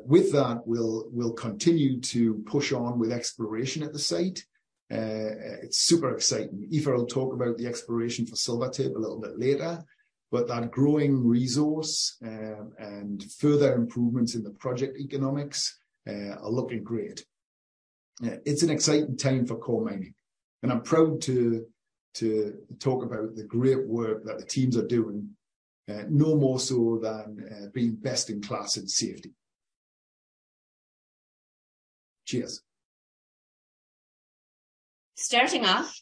Speaker 1: With that, we'll continue to push on with exploration at the site. It's super exciting. AMIfe will talk about the exploration for Silvertip a little bit later, but that growing resource, and further improvements in the project economics, are looking great. It's an exciting time for Coeur Mining, and I'm proud to talk about the great work that the teams are doing, no more so than being best in class in safety. Cheers.
Speaker 5: Starting off,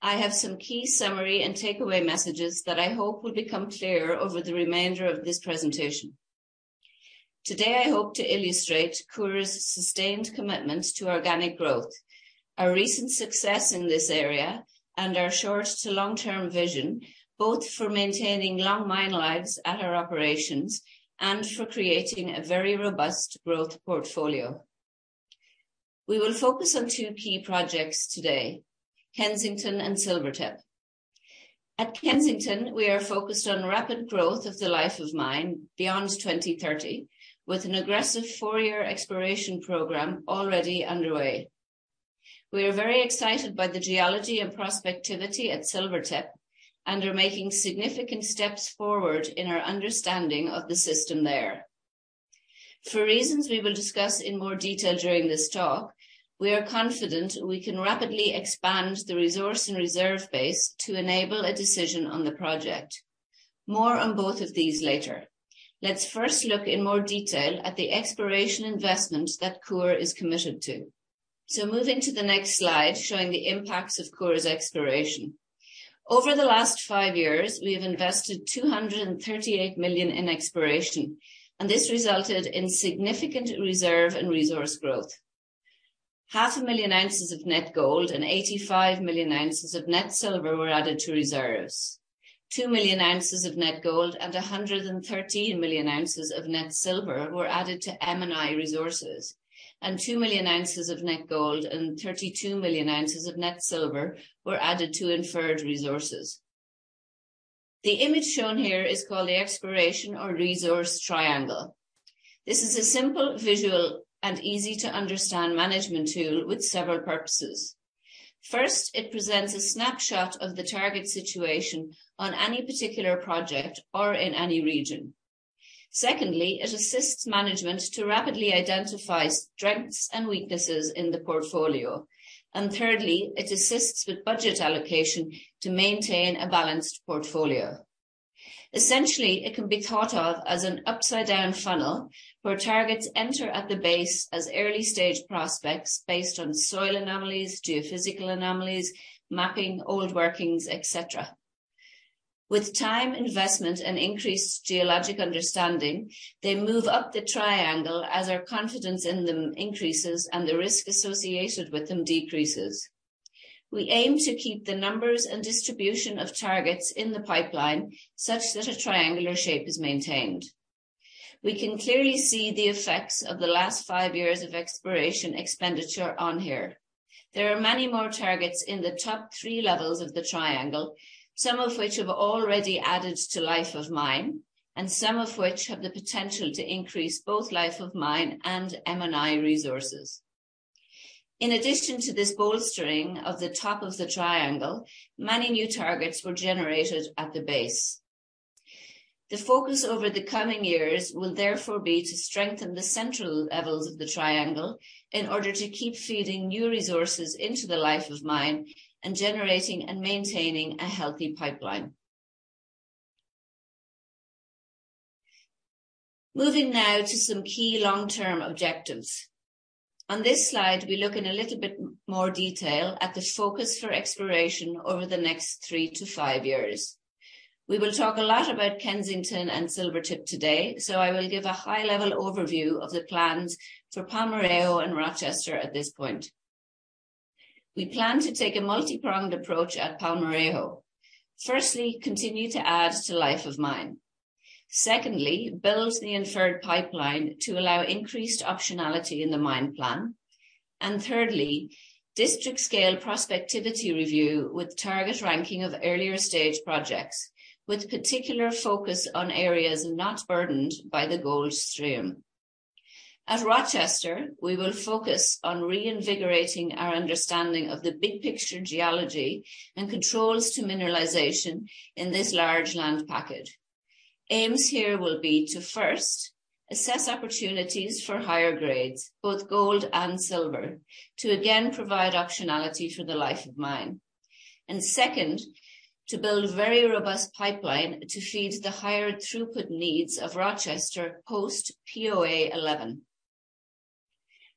Speaker 5: I have some key summary and takeaway messages that I hope will become clear over the remainder of this presentation. Today, I hope to illustrate Coeur's sustained commitment to organic growth, our recent success in this area, and our short to long-term vision, both for maintaining long mine lives at our operations and for creating a very robust growth portfolio. We will focus on two key projects today, Kensington and Silvertip. At Kensington, we are focused on rapid growth of the life of mine beyond 2030, with an aggressive 4-year exploration program already underway. We are very excited by the geology and prospectivity at Silvertip and are making significant steps forward in our understanding of the system there. For reasons we will discuss in more detail during this talk, we are confident we can rapidly expand the resource and reserve base to enable a decision on the project. More on both of these later. Let's first look in more detail at the exploration investment that Coeur is committed to. Moving to the next slide, showing the impacts of Coeur's exploration. Over the last five years, we have invested $238 million in exploration, this resulted in significant reserve and resource growth. Half a million ounces of net gold and 85 million ounces of net silver were added to reserves. 2 million ounces of net gold and 113 million ounces of net silver were added to M&I resources, 2 million ounces of net gold and 32 million ounces of net silver were added to inferred resources. The image shown here is called the Exploration or Resource Triangle. This is a simple visual and easy-to-understand management tool with several purposes. First, it presents a snapshot of the target situation on any particular project or in any region. Secondly, it assists management to rapidly identify strengths and weaknesses in the portfolio. Thirdly, it assists with budget allocation to maintain a balanced portfolio. Essentially, it can be thought of as an upside-down funnel where targets enter at the base as early-stage prospects based on soil anomalies, geophysical anomalies, mapping, old workings, et cetera. With time investment and increased geologic understanding, they move up the triangle as our confidence in them increases and the risk associated with them decreases. We aim to keep the numbers and distribution of targets in the pipeline such that a triangular shape is maintained. We can clearly see the effects of the last five years of exploration expenditure on here. There are many more targets in the top 3 levels of the Exploration Triangle, some of which have already added to life of mine and some of which have the potential to increase both life of mine and M&I resources. In addition to this bolstering of the top of the Exploration Triangle, many new targets were generated at the base. The focus over the coming years will therefore be to strengthen the central levels of the Exploration Triangle in order to keep feeding new resources into the life of mine and generating and maintaining a healthy pipeline. Moving now to some key long-term objectives. On this slide, we look in a little bit more detail at the focus for exploration over the next 3 to 5 years. We will talk a lot about Kensington and Silvertip today. I will give a high-level overview of the plans for Palmarejo and Rochester at this point. We plan to take a multi-pronged approach at Palmarejo. Firstly, continue to add to life of mine. Secondly, build the inferred pipeline to allow increased optionality in the mine plan. Thirdly, district-scale prospectivity review with target ranking of earlier-stage projects with particular focus on areas not burdened by the gold stream. At Rochester, we will focus on reinvigorating our understanding of the big picture geology and controls to mineralization in this large land package. Aims here will be to, first, assess opportunities for higher grades, both gold and silver, to again provide optionality for the life of mine. Second, to build a very robust pipeline to feed the higher throughput needs of Rochester post POA 11.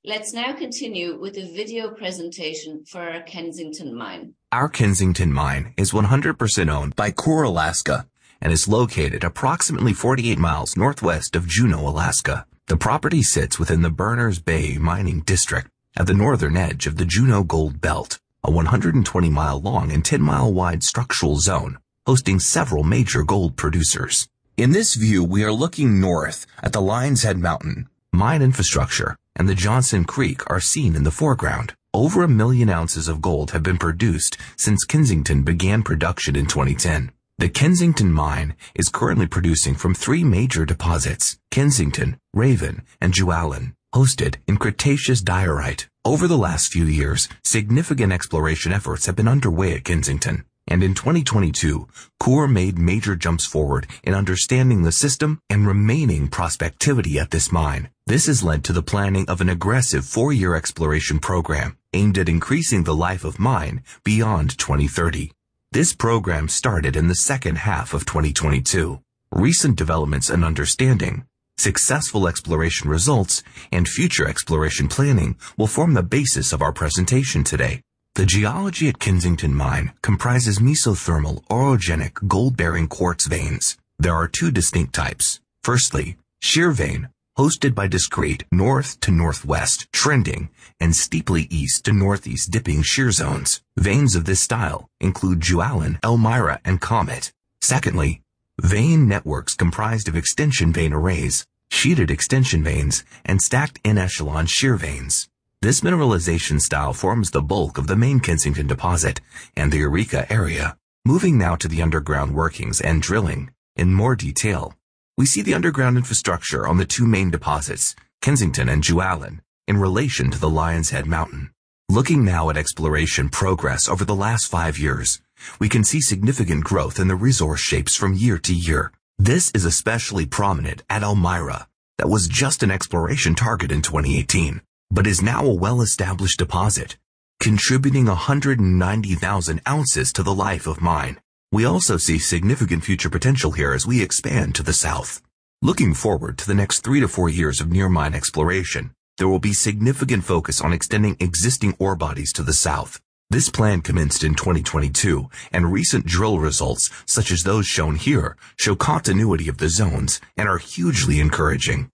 Speaker 5: Let's now continue with a video presentation for our Kensington Mine.
Speaker 2: Our Kensington mine is 100% owned by Coeur Alaska and is located approximately 48 miles northwest of Juneau, Alaska. The property sits within the Berners Bay mining district at the northern edge of the Juneau Gold Belt, a 120-mile long and 10-mile wide structural zone hosting several major gold producers. In this view, we are looking north at the Lions Head Mountain. Mine infrastructure and the Johnson Creek are seen in the foreground. Over 1 million ounces of gold have been produced since Kensington began production in 2010. The Kensington mine is currently producing from 3 major deposits, Kensington, Raven, and Jualin, hosted in Cretaceous diorite. Over the last few years, significant exploration efforts have been underway at Kensington, and in 2022, Coeur made major jumps forward in understanding the system and remaining prospectivity at this mine. This has led to the planning of an aggressive 4-year exploration program aimed at increasing the life of mine beyond 2030. This program started in the second half of 2022. Recent developments and understanding, successful exploration results, and future exploration planning will form the basis of our presentation today. The geology at Kensington Mine comprises mesothermal orogenic gold-bearing quartz veins. There are two distinct types. Firstly, shear vein, hosted by discrete north to northwest trending and steeply east to northeast dipping shear zones. Veins of this style include Jualin, Elmira, and Comet. Secondly, vein networks comprised of extension vein arrays, sheeted extension veins, and stacked in echelon shear veins. This mineralization style forms the bulk of the main Kensington deposit and the Eureka area. Moving now to the underground workings and drilling in more detail. We see the underground infrastructure on the two main deposits, Kensington and Jualin, in relation to the Lions Head Mountain. Looking now at exploration progress over the last 5 years, we can see significant growth in the resource shapes from year to year. This is especially prominent at Elmira. That was just an exploration target in 2018, but is now a well-established deposit, contributing 190,000 ounces to the life of mine. We also see significant future potential here as we expand to the south. Looking forward to the next 3 to 4 years of near mine exploration, there will be significant focus on extending existing ore bodies to the south. This plan commenced in 2022, and recent drill results, such as those shown here, show continuity of the zones and are hugely encouraging.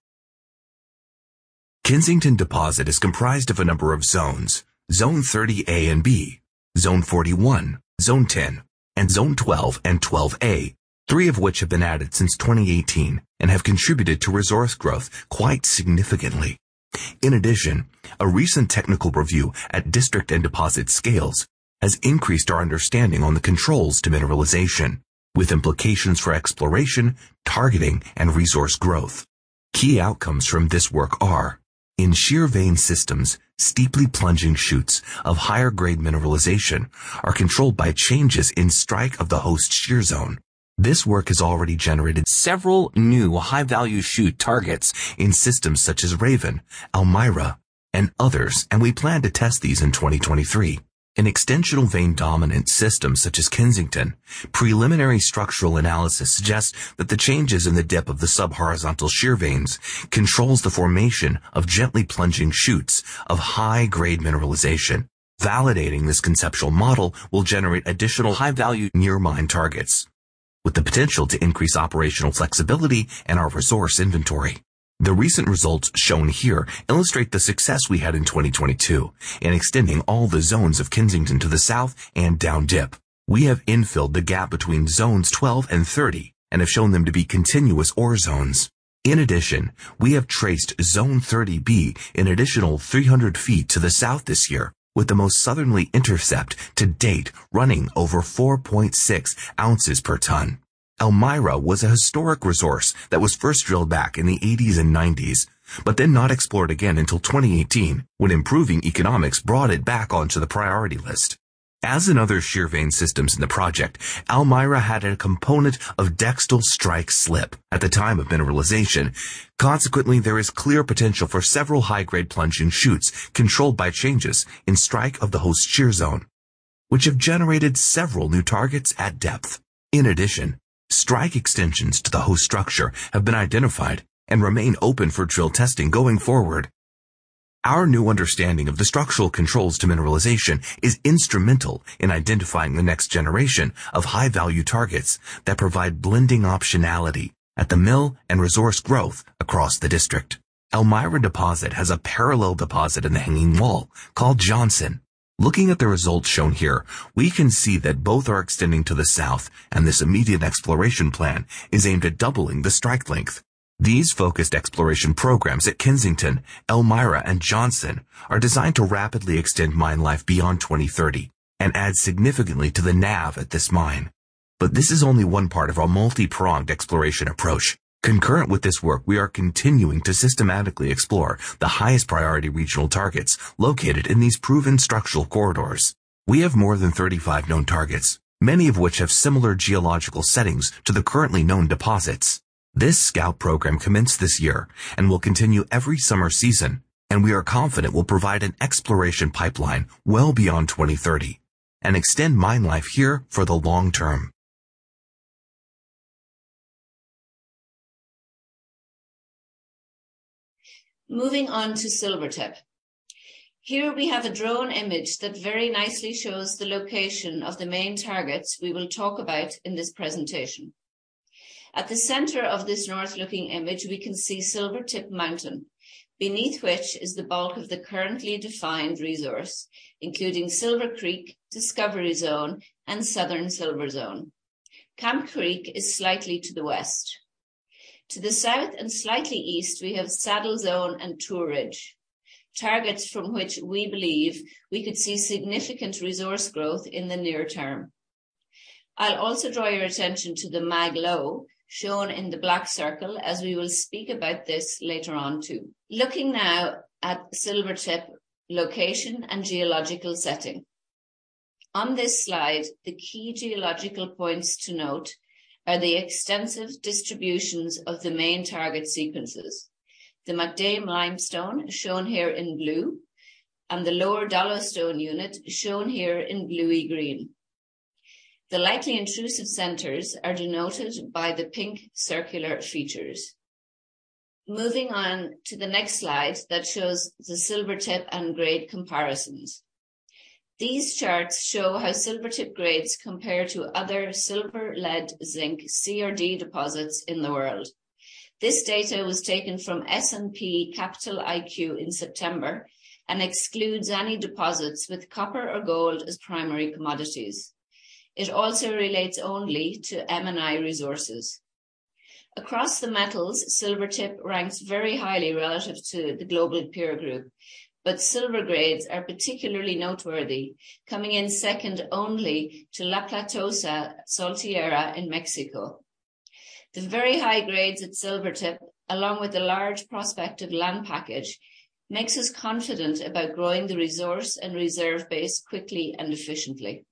Speaker 2: Kensington Deposit is comprised of a number of zones. Zone 30 A and B, zone 41, zone 10, and zone 12 and 12 A, 3 of which have been added since 2018 and have contributed to resource growth quite significantly. In addition, a recent technical review at district and deposit scales has increased our understanding on the controls to mineralization, with implications for exploration, targeting, and resource growth. Key outcomes from this work are, in shear vein systems, steeply plunging shoots of higher-grade mineralization are controlled by changes in strike of the host shear zone. This work has already generated several new high-value shoot targets in systems such as Raven, Elmira, and others, and we plan to test these in 2023. In extensional vein dominant systems such as Kensington, preliminary structural analysis suggests that the changes in the dip of the subhorizontal shear veins controls the formation of gently plunging shoots of high-grade mineralization. Validating this conceptual model will generate additional high-value near mine targets with the potential to increase operational flexibility and our resource inventory. The recent results shown here illustrate the success we had in 2022 in extending all the zones of Kensington to the south and down dip. We have infilled the gap between zones 12 and 30 and have shown them to be continuous ore zones. We have traced zone 30 B an additional 300 feet to the south this year, with the most southernly intercept to date running over 4.6 ounces per ton. Elmira was a historic resource that was first drilled back in the '80s and '90s, not explored again until 2018 when improving economics brought it back onto the priority list. As in other shear vein systems in the project, Elmira had a component of dextral strike-slip at the time of mineralization. There is clear potential for several high-grade plunging shoots controlled by changes in strike of the host shear zone, which have generated several new targets at depth. Strike extensions to the host structure have been identified and remain open for drill testing going forward. Our new understanding of the structural controls to mineralization is instrumental in identifying the next generation of high-value targets that provide blending optionality at the mill and resource growth across the district. Elmira deposit has a parallel deposit in the hanging wall called Johnson. Looking at the results shown here, we can see that both are extending to the south. This immediate exploration plan is aimed at doubling the strike length. These focused exploration programs at Kensington, Elmira, and Johnson are designed to rapidly extend mine life beyond 2030 and add significantly to the NAV at this mine. This is only one part of our multi-pronged exploration approach. Concurrent with this work, we are continuing to systematically explore the highest priority regional targets located in these proven structural corridors. We have more than 35 known targets, many of which have similar geological settings to the currently known deposits. This scout program commenced this year and will continue every summer season, and we are confident will provide an exploration pipeline well beyond 2030 and extend mine life here for the long term.
Speaker 5: Moving on to Silvertip. Here we have a drone image that very nicely shows the location of the main targets we will talk about in this presentation. At the center of this north-looking image, we can see Silvertip Mountain, beneath which is the bulk of the currently defined resource, including Silver Creek, Discovery Zone, and Southern Silver Zone. Camp Creek is slightly to the west. To the south and slightly east, we have Saddle Zone and Tour Ridge, targets from which we believe we could see significant resource growth in the near term. I'll also draw your attention to the mag low shown in the black circle, as we will speak about this later on too. Looking now at Silvertip location and geological setting. On this slide, the key geological points to note are the extensive distributions of the main target sequences. The McDame Limestone shown here in blue, and the Lower Dolostone unit shown here in bluey green. The lightly intrusive centers are denoted by the pink circular features. Moving on to the next slide that shows the Silvertip and grade comparisons. These charts show how Silvertip grades compare to other silver lead zinc CRD deposits in the world. This data was taken from S&P Capital IQ in September and excludes any deposits with copper or gold as primary commodities. It also relates only to M&I resources. Across the metals, Silvertip ranks very highly relative to the global peer group, but silver grades are particularly noteworthy, coming in second only to La Platosa, Saltillo in Mexico. The very high grades at Silvertip, along with the large prospective land package, makes us confident about growing the resource and reserve base quickly and efficiently.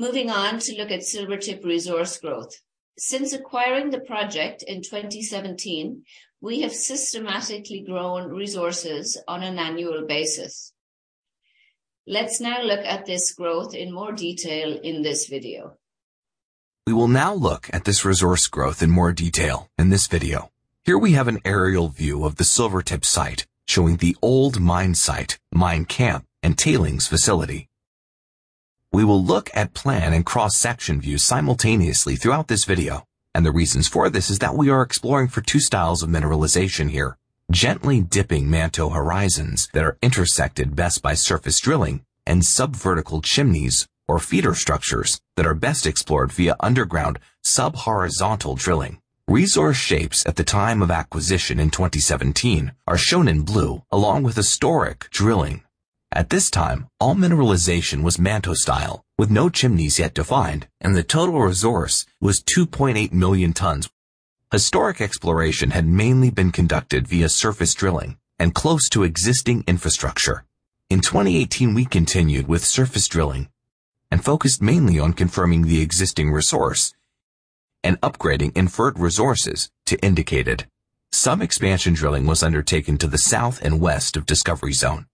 Speaker 5: Moving on to look at Silvertip resource growth. Since acquiring the project in 2017, we have systematically grown resources on an annual basis. Let's now look at this growth in more detail in this video.
Speaker 2: We will now look at this resource growth in more detail in this video. Here we have an aerial view of the Silvertip site, showing the old mine site, mine camp, and tailings facility. We will look at plan and cross-section views simultaneously throughout this video. The reasons for this is that we are exploring for two styles of mineralization here, gently dipping manto horizons that are intersected best by surface drilling and sub-vertical chimneys or feeder structures that are best explored via underground sub-horizontal drilling. Resource shapes at the time of acquisition in 2017 are shown in blue, along with historic drilling. At this time, all mineralization was manto style, with no chimneys yet defined, and the total resource was 2.8 million tons. Historic exploration had mainly been conducted via surface drilling and close to existing infrastructure. In 2018, we continued with surface drilling and focused mainly on confirming the existing resource and upgrading inferred resources to indicated. Some expansion drilling was undertaken to the south and west of Discovery Zone,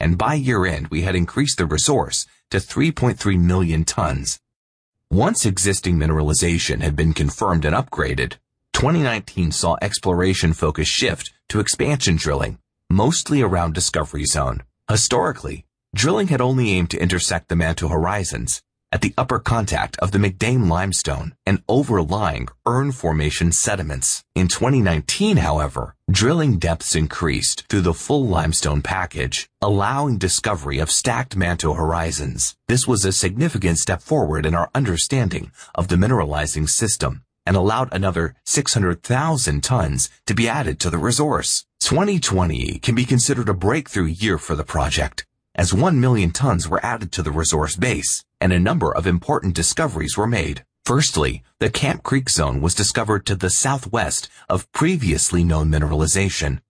Speaker 2: and by year-end, we had increased the resource to 3.3 million tons. Once existing mineralization had been confirmed and upgraded, 2019 saw exploration focus shift to expansion drilling, mostly around Discovery Zone. Historically, drilling had only aimed to intersect the manto horizons at the upper contact of the McDame Limestone and overlying Earn Formation sediments. In 2019, however, drilling depths increased through the full limestone package, allowing discovery of stacked manto horizons. This was a significant step forward in our understanding of the mineralizing system and allowed another 600,000 tons to be added to the resource. 2020 can be considered a breakthrough year for the project, as 1 million tons were added to the resource base and a number of important discoveries were made. Firstly, the Camp Creek Zone was discovered to the southwest of previously known mineralization.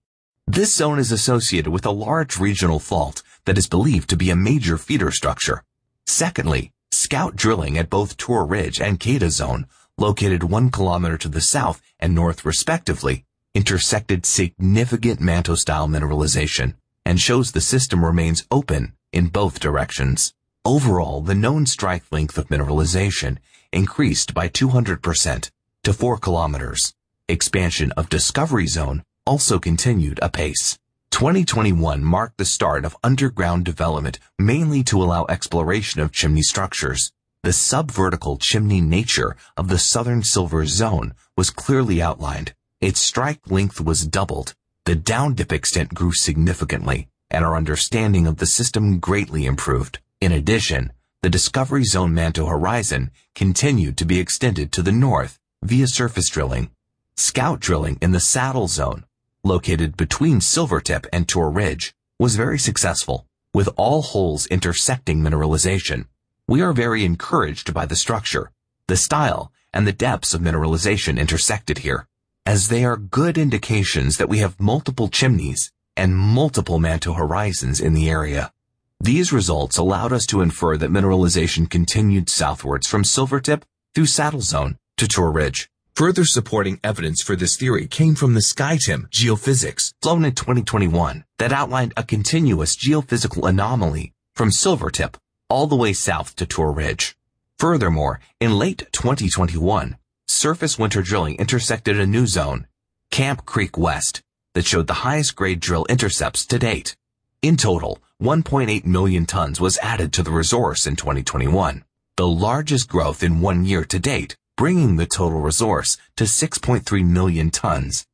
Speaker 2: This zone is associated with a large regional fault that is believed to be a major feeder structure. Secondly, scout drilling at both Tour Ridge and Saddle Zone, located 1 kilometer to the south and north respectively, intersected significant manto style mineralization and shows the system remains open in both directions. Overall, the known strike length of mineralization increased by 200% to 4 kilometers. Expansion of Discovery Zone also continued apace. 2021 marked the start of underground development, mainly to allow exploration of chimney structures. The sub-vertical chimney nature of the Southern Silver Zone was clearly outlined. Its strike length was doubled. The down dip extent grew significantly, and our understanding of the system greatly improved. In addition, the Discovery Zone manto horizon continued to be extended to the north via surface drilling. Scout drilling in the Saddle Zone, located between Silvertip and Tour Ridge, was very successful, with all holes intersecting mineralization. We are very encouraged by the structure, the style, and the depths of mineralization intersected here, as they are good indications that we have multiple chimneys and multiple manto horizons in the area. These results allowed us to infer that mineralization continued southwards from Silvertip through Saddle Zone to Tour Ridge. Further supporting evidence for this theory came from the SkyTEM geophysics flown in 2021 that outlined a continuous geophysical anomaly from Silvertip all the way south to Tour Ridge. Furthermore, in late 2021, surface winter drilling intersected a new zone, Camp Creek West, that showed the highest grade drill intercepts to date. In total, 1.8 million tons was added to the resource in 2021, the largest growth in one year to date, bringing the total resource to 6.3 million tons.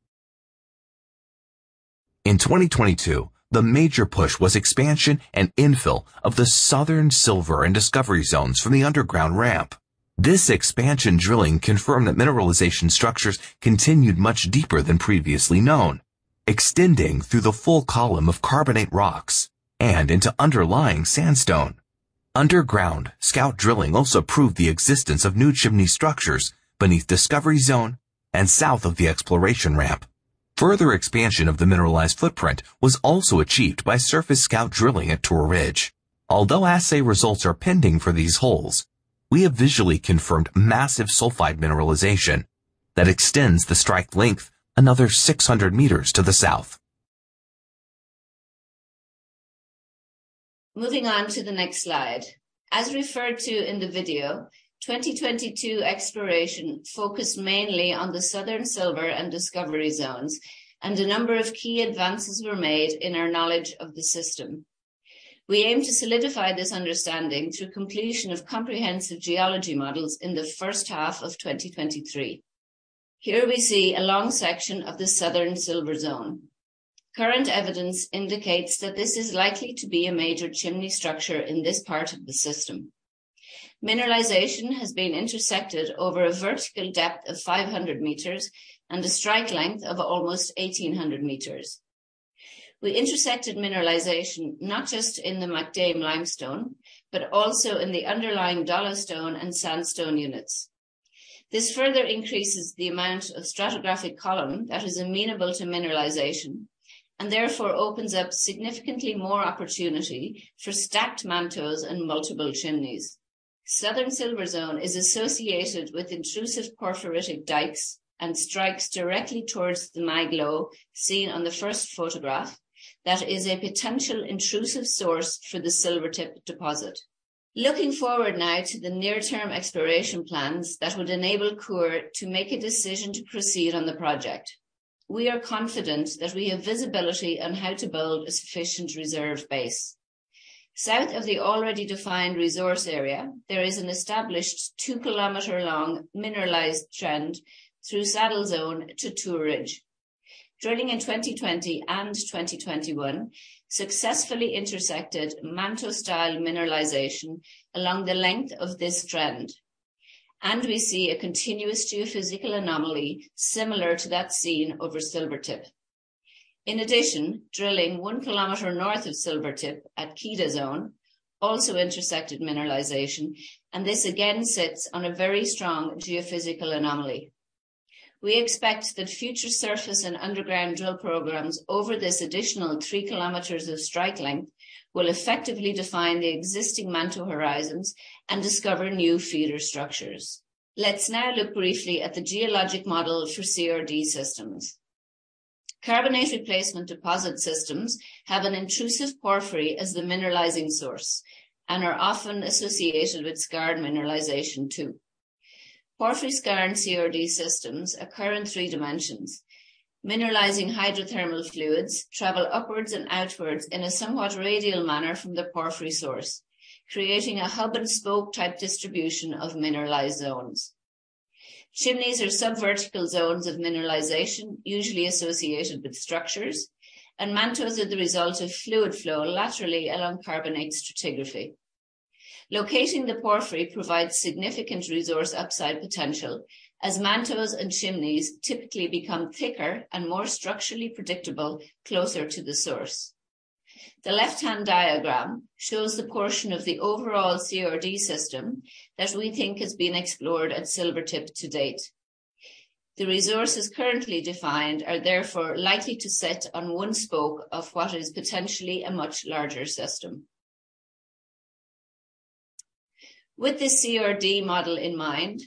Speaker 2: In 2022, the major push was expansion and infill of the Southern Silver and Discovery Zones from the underground ramp. This expansion drilling confirmed that mineralization structures continued much deeper than previously known, extending through the full column of carbonate rocks and into underlying sandstone. Underground scout drilling also proved the existence of new chimney structures beneath Discovery Zone and south of the exploration ramp. Further expansion of the mineralized footprint was also achieved by surface scout drilling at Tour Ridge. Although assay results are pending for these holes, we have visually confirmed massive sulfide mineralization that extends the strike length another 600 meters to the south.
Speaker 5: Moving on to the next slide. As referred to in the video, 2022 exploration focused mainly on the Southern Silver Zone and discovery zones, and a number of key advances were made in our knowledge of the system. We aim to solidify this understanding through completion of comprehensive geology models in the first half of 2023. Here we see a long section of the Southern Silver Zone. Current evidence indicates that this is likely to be a major chimney structure in this part of the system. Mineralization has been intersected over a vertical depth of 500 meters and a strike length of almost 1,800 meters. We intersected mineralization not just in the McDame Limestone, but also in the underlying dolostone and sandstone units. This further increases the amount of stratigraphic column that is amenable to mineralization, and therefore opens up significantly more opportunity for stacked mantos and multiple chimneys. Southern Silver Zone is associated with intrusive porphyritic dikes and strikes directly towards the mag low seen on the first photograph that is a potential intrusive source for the Silvertip deposit. Looking forward now to the near term exploration plans that would enable Coeur to make a decision to proceed on the project. We are confident that we have visibility on how to build a sufficient reserve base. South of the already defined resource area, there is an established 2-kilometer long mineralized trend through Saddle Zone to Tour Ridge. Drilling in 2020 and 2021 successfully intersected manto-style mineralization along the length of this trend, and we see a continuous geophysical anomaly similar to that seen over Silvertip. In addition, drilling one kilometer north of Silvertip at Keda Zone also intersected mineralization, and this again sits on a very strong geophysical anomaly. We expect that future surface and underground drill programs over this additional three kilometers of strike length will effectively define the existing manto horizons and discover new feeder structures. Let's now look briefly at the geologic model for CRD systems. Carbonate replacement deposit systems have an intrusive porphyry as the mineralizing source and are often associated with skarn mineralization too. Porphyry skarn CRD systems occur in three dimensions. Mineralizing hydrothermal fluids travel upwards and outwards in a somewhat radial manner from the porphyry source, creating a hub-and-spoke type distribution of mineralized zones. Chimneys are sub-vertical zones of mineralization, usually associated with structures, and mantos are the result of fluid flow laterally along carbonate stratigraphy. Locating the porphyry provides significant resource upside potential as mantos and chimneys typically become thicker and more structurally predictable closer to the source. The left-hand diagram shows the portion of the overall CRD system that we think has been explored at Silvertip to date. The resources currently defined are therefore likely to sit on one spoke of what is potentially a much larger system. With this CRD model in mind,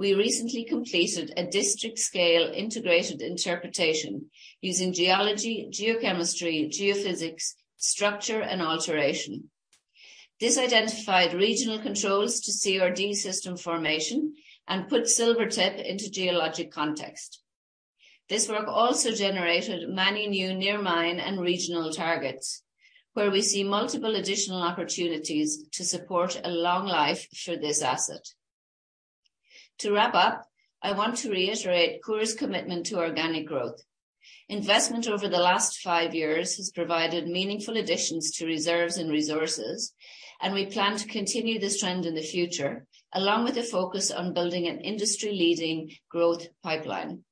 Speaker 5: we recently completed a district-scale integrated interpretation using geology, geochemistry, geophysics, structure, and alteration. This identified regional controls to CRD system formation and put Silvertip into geologic context. This work also generated many new near mine and regional targets, where we see multiple additional opportunities to support a long life for this asset. To wrap up, I want to reiterate Coeur's commitment to organic growth. Investment over the last 5 years has provided meaningful additions to reserves and resources. We plan to continue this trend in the future, along with a focus on building an industry-leading growth pipeline.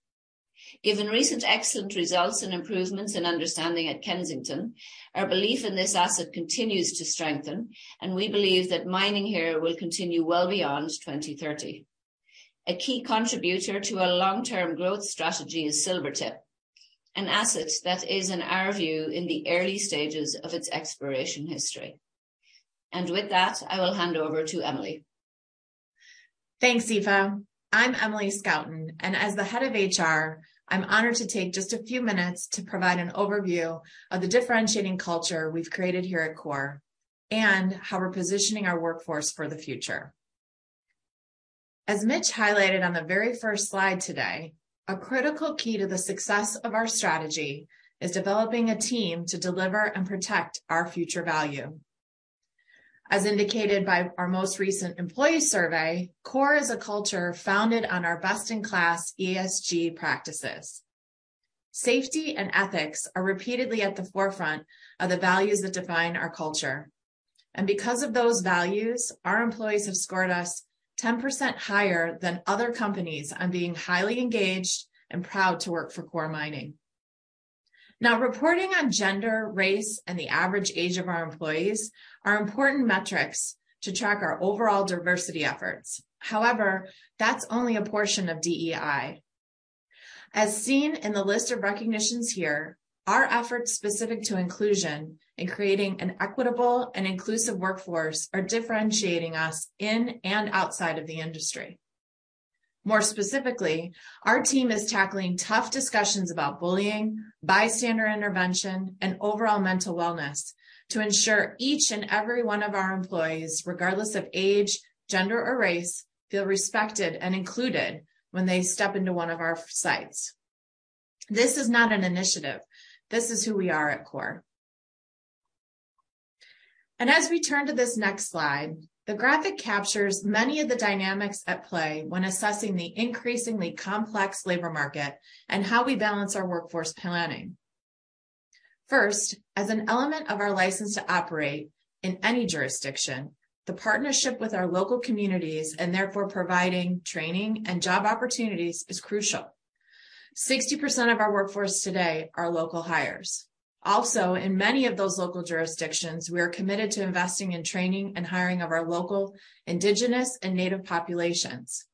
Speaker 5: Given recent excellent results and improvements in understanding at Kensington, our belief in this asset continues to strengthen. We believe that mining here will continue well beyond 2030. A key contributor to our long-term growth strategy is Silvertip, an asset that is, in our view, in the early stages of its exploration history. With that, I will hand over to Emily.
Speaker 6: Thanks, Aoife. I'm Emilie Schouten, and as the head of HR, I'm honored to take just a few minutes to provide an overview of the differentiating culture we've created here at Coeur and how we're positioning our workforce for the future. As Mitch highlighted on the very first slide today, a critical key to the success of our strategy is developing a team to deliver and protect our future value. As indicated by our most recent employee survey, Coeur is a culture founded on our best-in-class ESG practices. Safety and ethics are repeatedly at the forefront of the values that define our culture. Because of those values, our employees have scored us 10% higher than other companies on being highly engaged and proud to work for Coeur Mining. Reporting on gender, race, and the average age of our employees are important metrics to track our overall diversity efforts. That's only a portion of DEI. As seen in the list of recognitions here, our efforts specific to inclusion in creating an equitable and inclusive workforce are differentiating us in and outside of the industry. More specifically, our team is tackling tough discussions about bullying, bystander intervention, and overall mental wellness to ensure each and every one of our employees, regardless of age, gender, or race, feel respected and included when they step into one of our sites. This is not an initiative. This is who we are at Coeur. As we turn to this next slide, the graphic captures many of the dynamics at play when assessing the increasingly complex labor market and how we balance our workforce planning. As an element of our license to operate in any jurisdiction, the partnership with our local communities and therefore providing training and job opportunities is crucial. 60% of our workforce today are local hires. In many of those local jurisdictions, we are committed to investing in training and hiring of our local, indigenous, and native populations.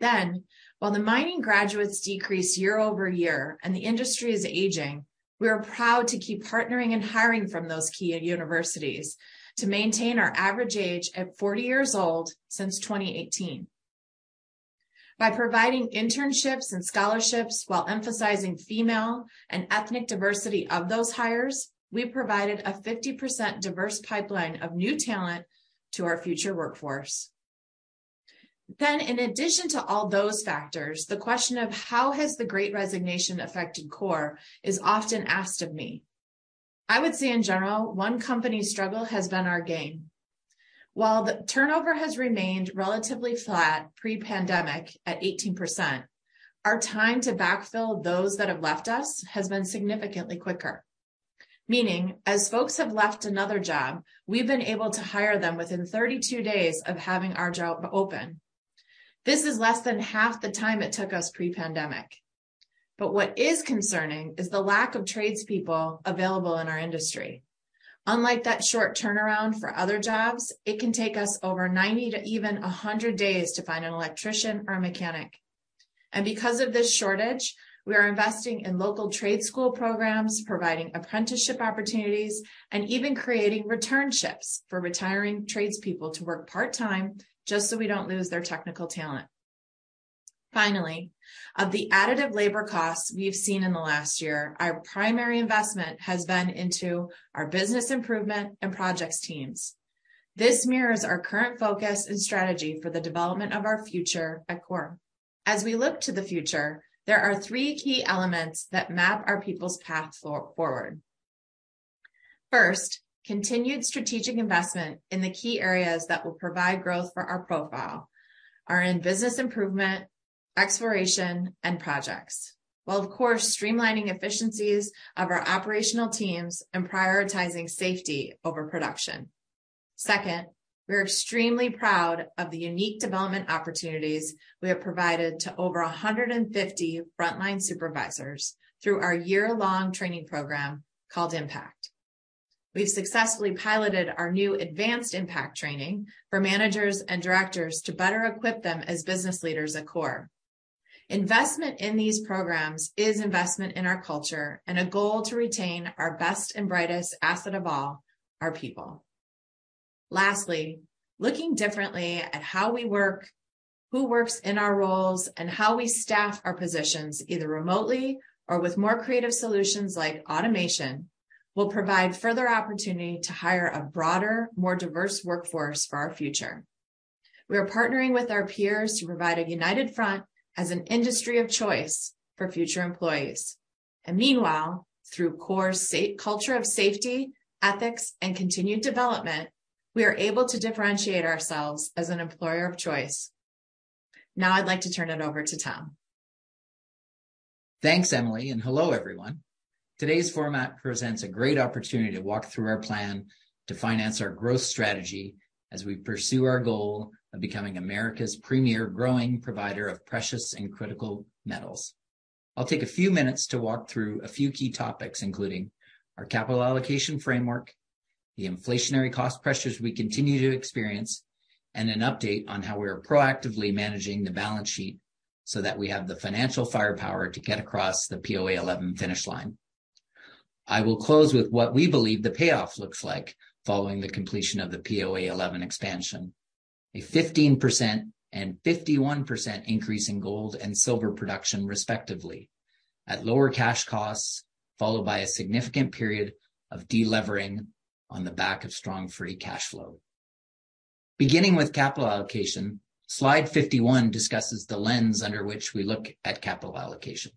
Speaker 6: While the mining graduates decrease year over year and the industry is aging, we are proud to keep partnering and hiring from those key universities to maintain our average age at 40 years old since 2018. By providing internships and scholarships while emphasizing female and ethnic diversity of those hires, we provided a 50% diverse pipeline of new talent to our future workforce. In addition to all those factors, the question of how has the great resignation affected Coeur is often asked of me. I would say in general, one company's struggle has been our gain. While the turnover has remained relatively flat pre-pandemic at 18%, our time to backfill those that have left us has been significantly quicker. Meaning, as folks have left another job, we've been able to hire them within 32 days of having our job open. This is less than half the time it took us pre-pandemic. What is concerning is the lack of tradespeople available in our industry. Unlike that short turnaround for other jobs, it can take us over 90 to even 100 days to find an electrician or a mechanic. Because of this shortage, we are investing in local trade school programs, providing apprenticeship opportunities, and even creating returnships for retiring tradespeople to work part-time just so we don't lose their technical talent. Finally, of the additive labor costs we've seen in the last year, our primary investment has been into our business improvement and projects teams. This mirrors our current focus and strategy for the development of our future at Coeur. As we look to the future, there are three key elements that map our people's path forward. First, continued strategic investment in the key areas that will provide growth for our profile are in business improvement, exploration, and projects, while of course streamlining efficiencies of our operational teams and prioritizing safety over production. Second, we're extremely proud of the unique development opportunities we have provided to over 150 frontline supervisors through our year-long training program called IMPACT. We've successfully piloted our new Advanced IMPACT training for managers and directors to better equip them as business leaders at Coeur. Investment in these programs is investment in our culture and a goal to retain our best and brightest asset of all, our people. Lastly, looking differently at how we work, who works in our roles, and how we staff our positions, either remotely or with more creative solutions like automation, will provide further opportunity to hire a broader, more diverse workforce for our future. Meanwhile, through Coeur's culture of safety, ethics, and continued development, we are able to differentiate ourselves as an employer of choice. Now I'd like to turn it over to Tom.
Speaker 1: Thanks, Emily. Hello, everyone. Today's format presents a great opportunity to walk through our plan to finance our growth strategy as we pursue our goal of becoming America's premier growing provider of precious and critical metals. I'll take a few minutes to walk through a few key topics, including our capital allocation framework, the inflationary cost pressures we continue to experience, and an update on how we are proactively managing the balance sheet so that we have the financial firepower to get across the POA11 finish line. I will close with what we believe the payoff looks like following the completion of the POA11 expansion, a 15% and 51% increase in gold and silver production respectively at lower cash costs, followed by a significant period of de-levering on the back of strong free cash flow. Beginning with capital allocation, slide 51 discusses the lens under which we look at capital allocation.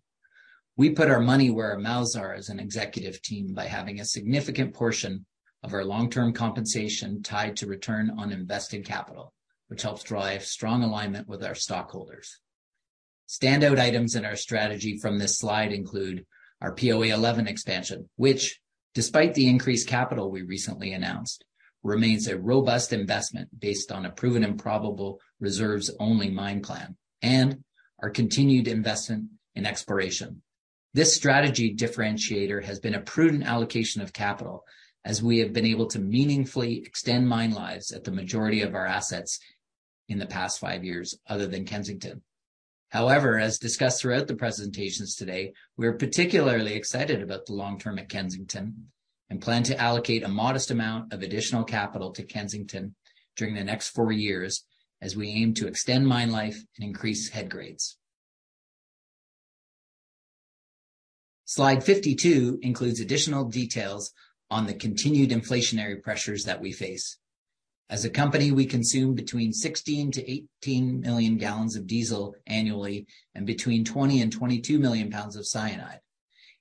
Speaker 1: We put our money where our mouths are as an executive team by having a significant portion of our long-term compensation tied to return on invested capital, which helps drive strong alignment with our stockholders. Standout items in our strategy from this slide include our POA11 expansion, which despite the increased capital we recently announced, remains a robust investment based on a proven and probable reserves-only mine plan, and our continued investment in exploration. This strategy differentiator has been a prudent allocation of capital as we have been able to meaningfully extend mine lives at the majority of our assets in the past five years, other than Kensington. As discussed throughout the presentations today, we're particularly excited about the long term at Kensington and plan to allocate a modest amount of additional capital to Kensington during the next 4 years as we aim to extend mine life and increase head grades. Slide 52 includes additional details on the continued inflationary pressures that we face. As a company, we consume between 16 million-18 million gallons of diesel annually and between 20 million-22 million pounds of cyanide.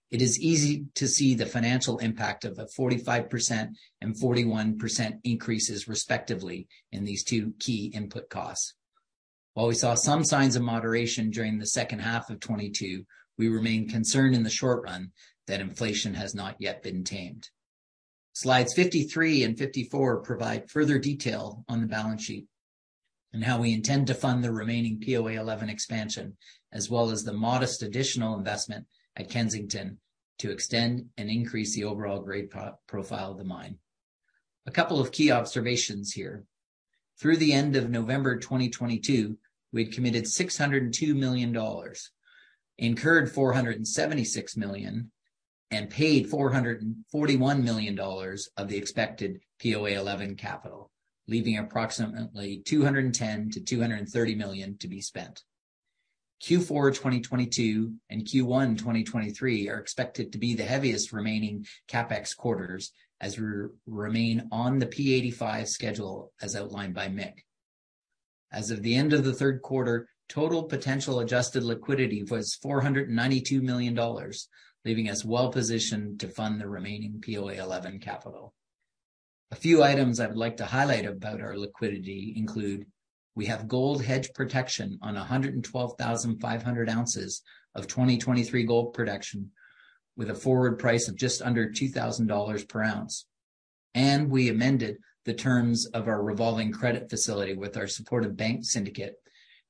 Speaker 1: It is easy to see the financial impact of the 45% and 41% increases, respectively, in these two key input costs. We saw some signs of moderation during the second half of 2022, we remain concerned in the short run that inflation has not yet been tamed. Slides 53 and 54 provide further detail on the balance sheet and how we intend to fund the remaining POA11 expansion, as well as the modest additional investment at Kensington to extend and increase the overall grade pro-profile of the mine. A couple of key observations here. Through the end of November 2022, we'd committed $602 million, incurred $476 million, and paid $441 million of the expected POA11 capital, leaving approximately $210 million-$230 million to be spent. Q4 2022 and Q1 2023 are expected to be the heaviest remaining CapEx quarters as we remain on the P85 schedule as outlined by Mick. As of the end of the third quarter, total potential adjusted liquidity was $492 million, leaving us well-positioned to fund the remaining POA11 capital. A few items I'd like to highlight about our liquidity include we have gold hedge protection on 112,500 ounces of 2023 gold production with a forward price of just under $2,000 per ounce. We amended the terms of our revolving credit facility with our supportive bank syndicate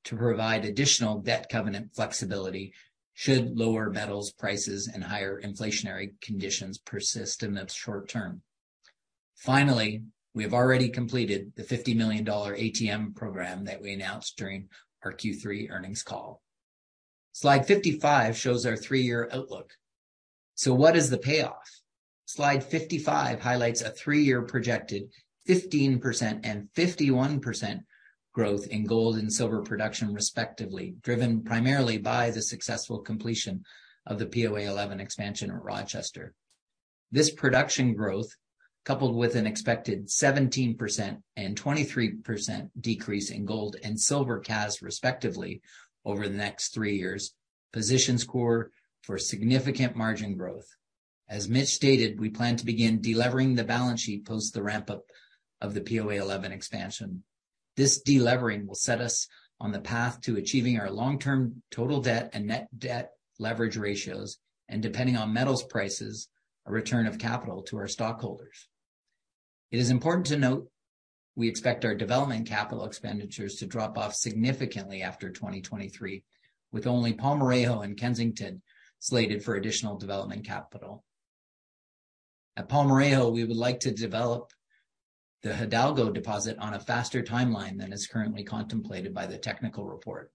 Speaker 1: to provide additional debt covenant flexibility should lower metals prices and higher inflationary conditions persist in the short term. Finally, we have already completed the $50 million ATM program that we announced during our Q3 earnings call. Slide 55 shows our three-year outlook. What is the payoff? Slide 55 highlights a three-year projected 15% and 51% growth in gold and silver production, respectively, driven primarily by the successful completion of the POA11 expansion at Rochester. This production growth, coupled with an expected 17% and 23% decrease in gold and silver CAS, respectively, over the next 3 years, positions Coeur for significant margin growth. As Mitch stated, we plan to begin delevering the balance sheet post the ramp-up of the POA 11 expansion. This delevering will set us on the path to achieving our long-term total debt and net debt leverage ratios, and depending on metals prices, a return of capital to our stockholders. It is important to note we expect our development capital expenditures to drop off significantly after 2023, with only Palmarejo and Kensington slated for additional development capital. At Palmarejo, we would like to develop the Hidalgo deposit on a faster timeline than is currently contemplated by the technical report.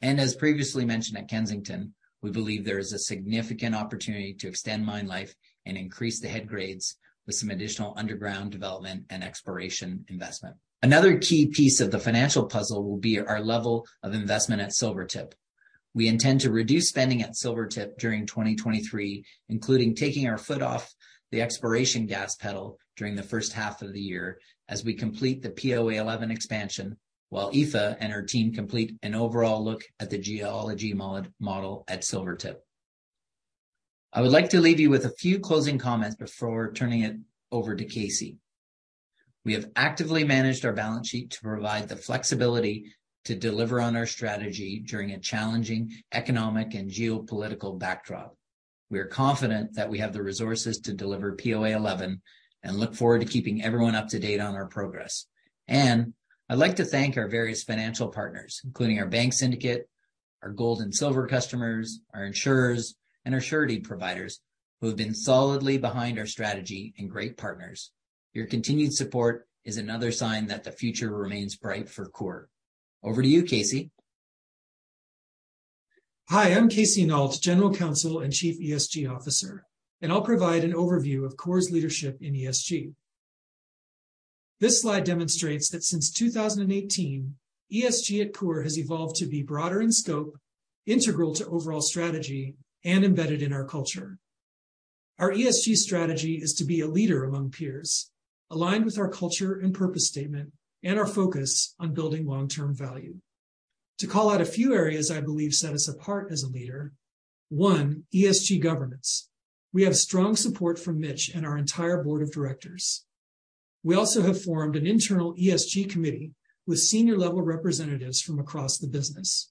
Speaker 1: As previously mentioned at Kensington, we believe there is a significant opportunity to extend mine life and increase the head grades with some additional underground development and exploration investment. Another key piece of the financial puzzle will be our level of investment at Silvertip. We intend to reduce spending at Silvertip during 2023, including taking our foot off the exploration gas pedal during the first half of the year as we complete the POA11 expansion, while AMIfe and her team complete an overall look at the geology model at Silvertip. I would like to leave you with a few closing comments before turning it over to Casey. We have actively managed our balance sheet to provide the flexibility to deliver on our strategy during a challenging economic and geopolitical backdrop. We are confident that we have the resources to deliver POA11 and look forward to keeping everyone up to date on our progress. I'd like to thank our various financial partners, including our bank syndicate, our gold and silver customers, our insurers, and our surety providers who have been solidly behind our strategy and great partners. Your continued support is another sign that the future remains bright for Coeur. Over to you, Casey.
Speaker 7: Hi, I'm Casey Nault, General Counsel and Chief ESG Officer. I'll provide an overview of Coeur's leadership in ESG. This slide demonstrates that since 2018, ESG at Coeur has evolved to be broader in scope, integral to overall strategy, and embedded in our culture. Our ESG strategy is to be a leader among peers, aligned with our culture and purpose statement, and our focus on building long-term value. To call out a few areas I believe set us apart as a leader, one, ESG governance. We have strong support from Mitch and our entire board of directors. We also have formed an internal ESG committee with senior-level representatives from across the business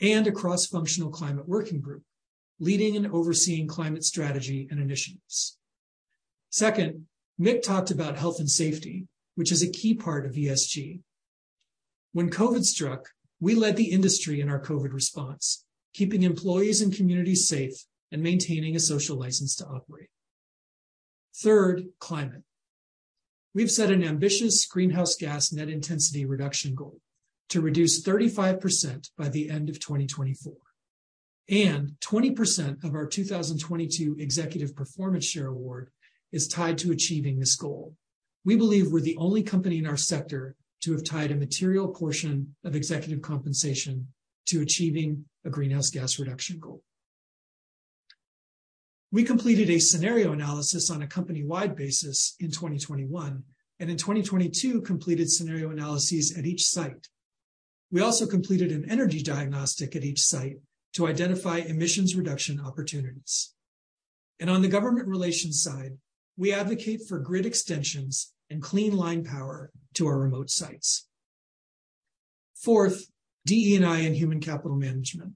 Speaker 7: and a cross-functional climate working group leading and overseeing climate strategy and initiatives. Second, Mick talked about health and safety, which is a key part of ESG. When COVID struck, we led the industry in our COVID response, keeping employees and communities safe and maintaining a social license to operate. Third, climate. We've set an ambitious greenhouse gas net intensity reduction goal to reduce 35% by the end of 2024, and 20% of our 2022 executive performance share award is tied to achieving this goal. We believe we're the only company in our sector to have tied a material portion of executive compensation to achieving a greenhouse gas reduction goal. We completed a scenario analysis on a company-wide basis in 2021, and in 2022, completed scenario analyses at each site. We also completed an energy diagnostic at each site to identify emissions reduction opportunities. On the government relations side, we advocate for grid extensions and clean line power to our remote sites. Fourth, DE&I and human capital management.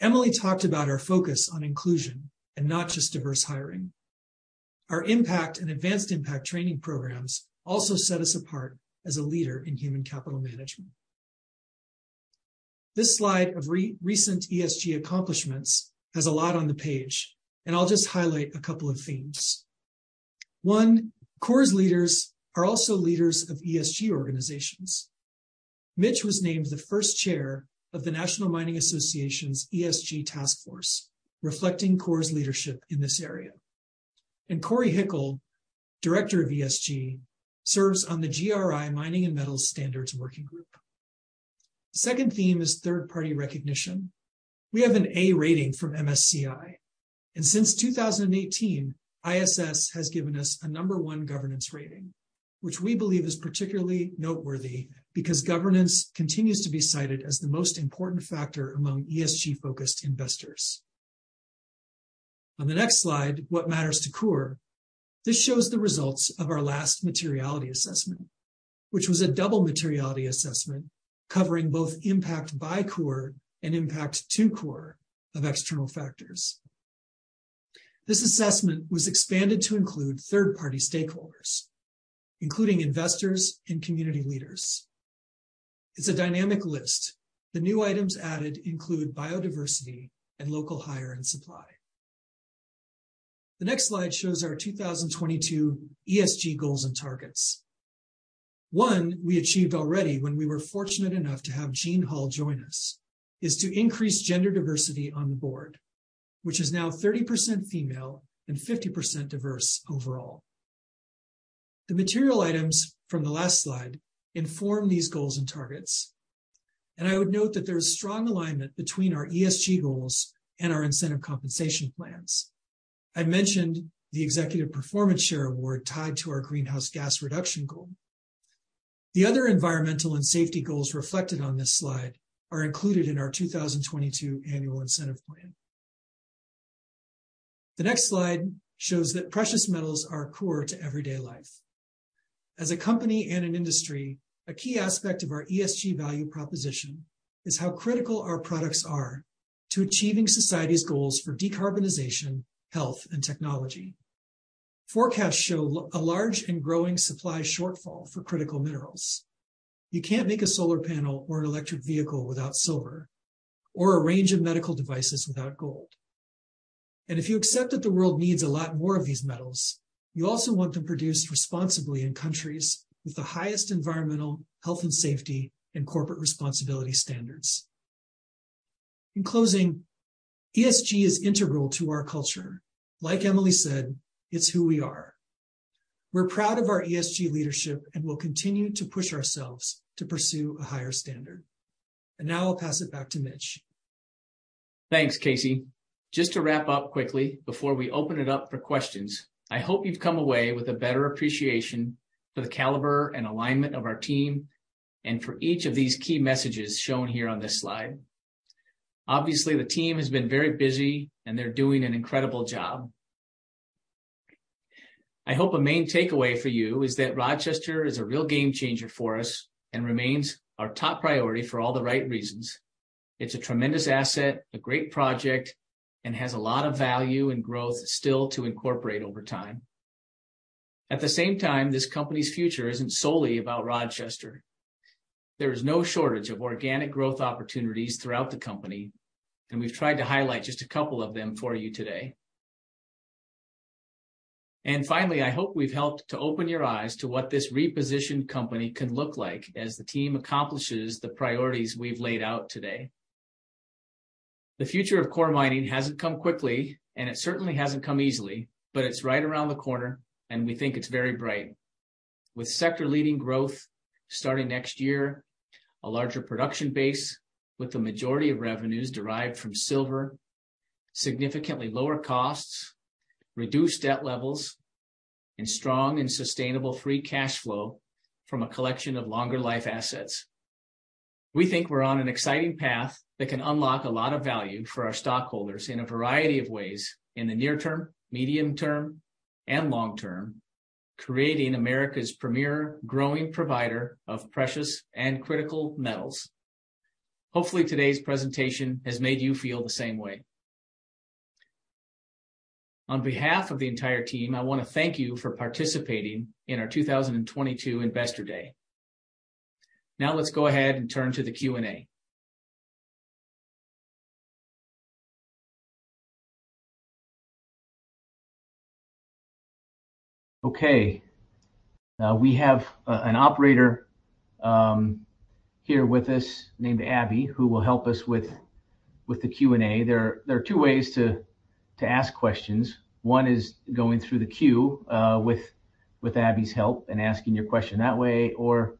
Speaker 7: Emily talked about our focus on inclusion and not just diverse hiring. Our IMPACT and Advanced IMPACT training programs also set us apart as a leader in human capital management. This slide of re-recent ESG accomplishments has a lot on the page. I'll just highlight a couple of themes. One, Coeur's leaders are also leaders of ESG organizations. Mitch was named the first chair of the National Mining Association's ESG task force, reflecting Coeur's leadership in this area. Corey Hikel, Director of ESG, serves on the GRI Mining and Metals Standards Working Group. The second theme is third-party recognition. We have an A rating from MSCI. Since 2018, ISS has given us a number one governance rating, which we believe is particularly noteworthy because governance continues to be cited as the most important factor among ESG-focused investors. On the next slide, what matters to Coeur, this shows the results of our last materiality assessment, which was a double materiality assessment covering both impact by Coeur and impact to Coeur of external factors. This assessment was expanded to include third-party stakeholders, including investors and community leaders. It's a dynamic list. The new items added include biodiversity and local hire and supply. The next slide shows our 2022 ESG goals and targets. One we achieved already when we were fortunate enough to have Jeane Hull join us, is to increase gender diversity on the board, which is now 30% female and 50% diverse overall. The material items from the last slide inform these goals and targets, and I would note that there is strong alignment between our ESG goals and our incentive compensation plans. I mentioned the executive performance share award tied to our greenhouse gas reduction goal. The other environmental and safety goals reflected on this slide are included in our 2022 annual incentive plan. The next slide shows that precious metals are core to everyday life. As a company and an industry, a key aspect of our ESG value proposition is how critical our products are to achieving society's goals for decarbonization, health, and technology. Forecasts show a large and growing supply shortfall for critical minerals. You can't make a solar panel or an electric vehicle without silver or a range of medical devices without gold. If you accept that the world needs a lot more of these metals, you also want them produced responsibly in countries with the highest environmental, health, and safety, and corporate responsibility standards. In closing, ESG is integral to our culture. Like Emily said, it's who we are. We're proud of our ESG leadership and will continue to push ourselves to pursue a higher standard. Now I'll pass it back to Mitch.
Speaker 1: Thanks, Casey. Just to wrap up quickly before we open it up for questions, I hope you've come away with a better appreciation for the caliber and alignment of our team and for each of these key messages shown here on this slide. Obviously, the team has been very busy, and they're doing an incredible job. I hope a main takeaway for you is that Rochester is a real game changer for us and remains our top priority for all the right reasons. It's a tremendous asset, a great project, and has a lot of value and growth still to incorporate over time. At the same time, this company's future isn't solely about Rochester. There is no shortage of organic growth opportunities throughout the company, and we've tried to highlight just a couple of them for you today. Finally, I hope we've helped to open your eyes to what this repositioned company can look like as the team accomplishes the priorities we've laid out today. The future of Coeur Mining hasn't come quickly, and it certainly hasn't come easily, but it's right around the corner, and we think it's very bright. With sector-leading growth starting next year, a larger production base with the majority of revenues derived from silver, significantly lower costs, reduced debt levels, and strong and sustainable free cash flow from a collection of longer life assets. We think we're on an exciting path that can unlock a lot of value for our stockholders in a variety of ways in the near term, medium term, and long term, creating America's premier growing provider of precious and critical metals. Hopefully, today's presentation has made you feel the same way. On behalf of the entire team, I wanna thank you for participating in our 2022 Investor Day. Now let's go ahead and turn to the Q&A. Okay, we have an operator here with us named Abby who will help us with the Q&A. There are two ways to ask questions. One is going through the queue with Abby's help and asking your question that way, or,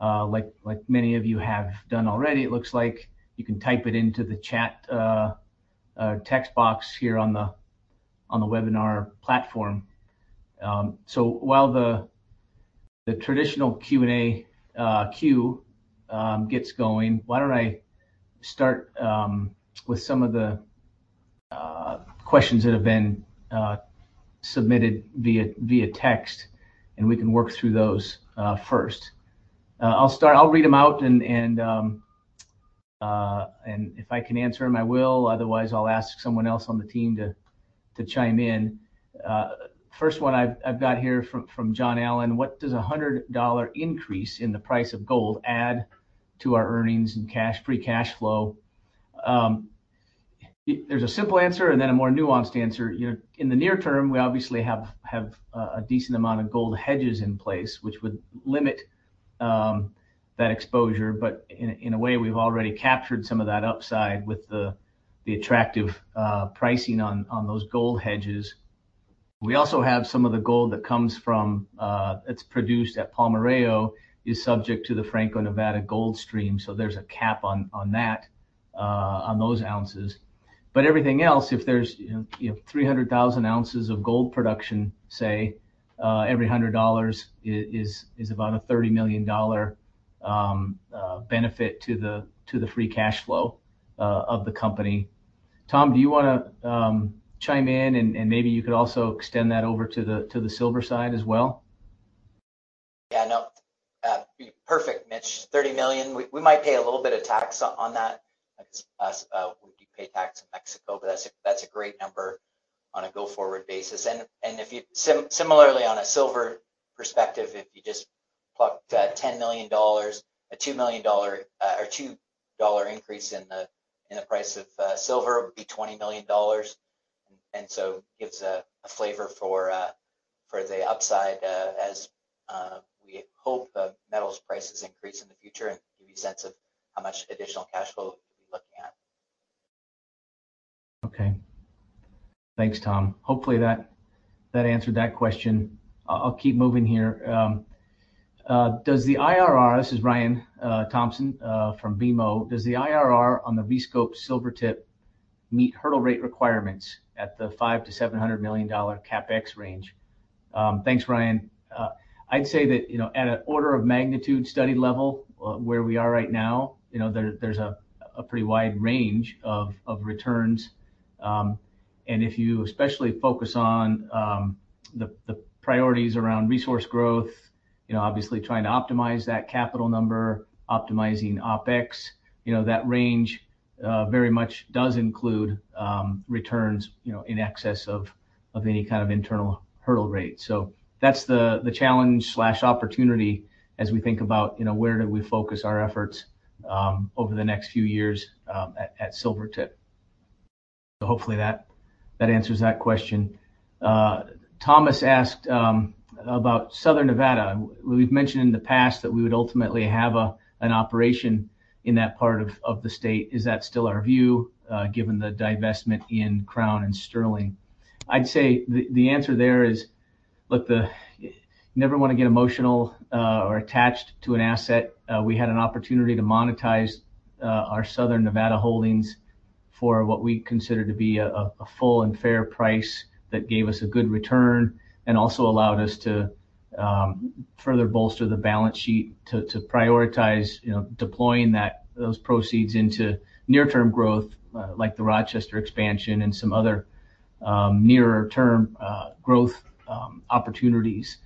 Speaker 1: like many of you have done already, it looks like, you can type it into the chat text box here on the webinar platform. While the While the the traditional Q&A, Q gets going. Why don't I start with some of the questions that have been submitted via text, and we can work through those first. I'll read them out and if I can answer them, I will. Otherwise, I'll ask someone else on the team to chime in. First one I've got here from John Allen, "What does a $100 increase in the price of gold add to our earnings and cash, free cash flow?" There's a simple answer and then a more nuanced answer. You know, in the near term, we obviously have a decent amount of gold hedges in place, which would limit that exposure. In a way, we've already captured some of that upside with the attractive pricing on those gold hedges. We also have some of the gold that comes from, it's produced at Palmarejo is subject to the Franco-Nevada gold stream, so there's a cap on that on those ounces. Everything else, if there's, you know, 300,000 ounces of gold production, say, every $100 is about a $30 million benefit to the free cash flow of the company. Tom, do you wanna chime in and maybe you could also extend that over to the silver side as well? Yeah, no, perfect, Mitch. $30 million. We might pay a little bit of tax on that because, us, we do pay tax in Mexico, but that's a great number on a go-forward basis. Similarly on a silver perspective, if you just plucked at $10 million, a $2 million, or $2 increase in the price of silver, it would be $20 million. gives a flavor for the upside as we hope the metals prices increase in the future and give you a sense of how much additional cash flow you'd be looking at. Okay. Thanks, Tom. Hopefully that answered that question. I'll keep moving here. Does the IRR, this is Ryan Thompson from BMO. Does the IRR on the the scope of Silvertip meet hurdle rate requirements at the $500 million-$700 million CapEx range? Thanks, Ryan. I'd say that, you know, at an order of magnitude study level, where we are right now, you know, there's a pretty wide range of returns. If you especially focus on the priorities around resource growth, you know, obviously trying to optimize that capital number, optimizing OpEx, you know, that range very much does include returns, you know, in excess of any kind of internal hurdle rate. That's the challenge/opportunity as we think about, you know, where do we focus our efforts over the next few years at Silvertip. Hopefully that answers that question. Thomas asked about Southern Nevada. We've mentioned in the past that we would ultimately have an operation in that part of the state. Is that still our view given the divestment in Crown and Sterling? I'd say the answer there is, look, the. You never wanna get emotional or attached to an asset. We had an opportunity to monetize our Southern Nevada holdings for what we consider to be a full and fair price that gave us a good return and also allowed us to further bolster the balance sheet to prioritize, you know, deploying that, those proceeds into near-term growth, like the Rochester expansion and some other, nearer term, growth opportunities.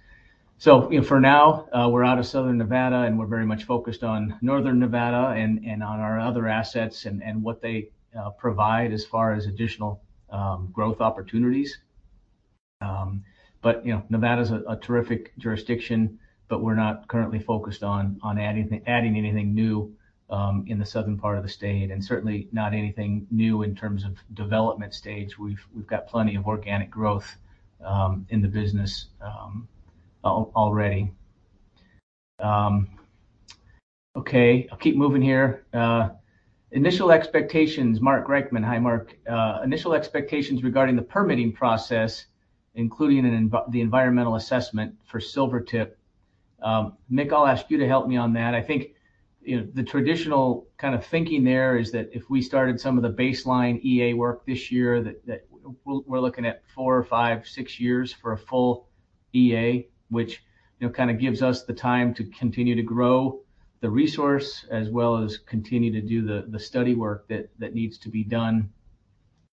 Speaker 1: You know, for now, we're out of Southern Nevada, and we're very much focused on Northern Nevada and on our other assets and what they provide as far as additional, growth opportunities. You know, Nevada's a terrific jurisdiction, but we're not currently focused on adding anything new, in the southern part of the state, and certainly not anything new in terms of development stage. We've got plenty of organic growth in the business already. Okay, I'll keep moving here. Initial expectations, Mark Reichman. Hi, Mark. Initial expectations regarding the permitting process, including the environmental assessment for Silvertip. Mick, I'll ask you to help me on that. I think, you know, the traditional kind of thinking there is that if we started some of the baseline EA work this year, that we're looking at 4, 5, 6 years for a full EA, which, you know, kinda gives us the time to continue to grow the resource as well as continue to do the study work that needs to be done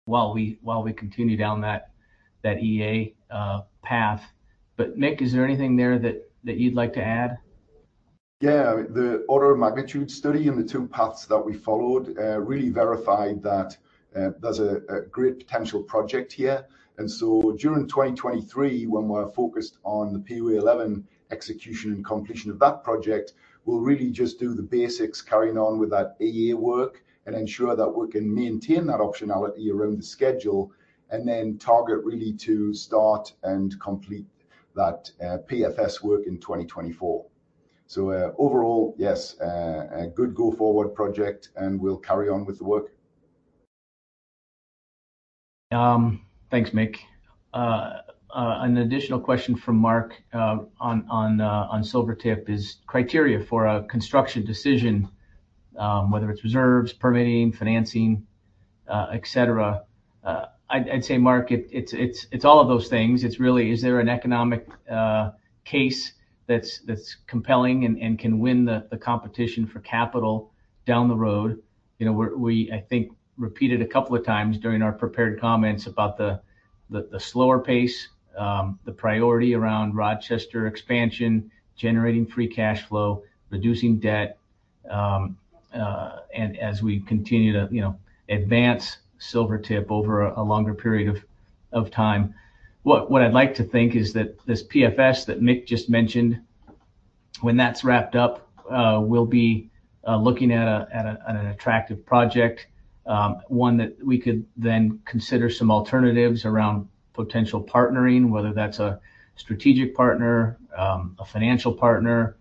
Speaker 1: while we continue down that EA path. Mick, is there anything there that you'd like to add? Yeah. The order of magnitude study and the two paths that we followed, really verified that, there's a great potential project here. During 2023, when we're focused on the POA 11 execution and completion of that project, we'll really just do the basics carrying on with that EA work and ensure that we can maintain that optionality around the schedule and then target really to start and complete that, PFS work in 2024. Overall, yes, a good go-forward project, and we'll carry on with the work. Thanks, Mick. An additional question from Mark on Silvertip is criteria for a construction decision. Whether it's reserves, permitting, financing, et cetera. I'd say, Mark, it's all of those things. It's really is there an economic case that's compelling and can win the competition for capital down the road. You know, we, I think, repeated a couple of times during our prepared comments about the slower pace, the priority around Rochester expansion, generating free cash flow, reducing debt, and as we continue to, you know, advance Silvertip over a longer period of time. What I'd like to think is that this PFS that Mick just mentioned, when that's wrapped up, we'll be looking at an attractive project, one that we could then consider some alternatives around potential partnering, whether that's a strategic partner, a financial partner,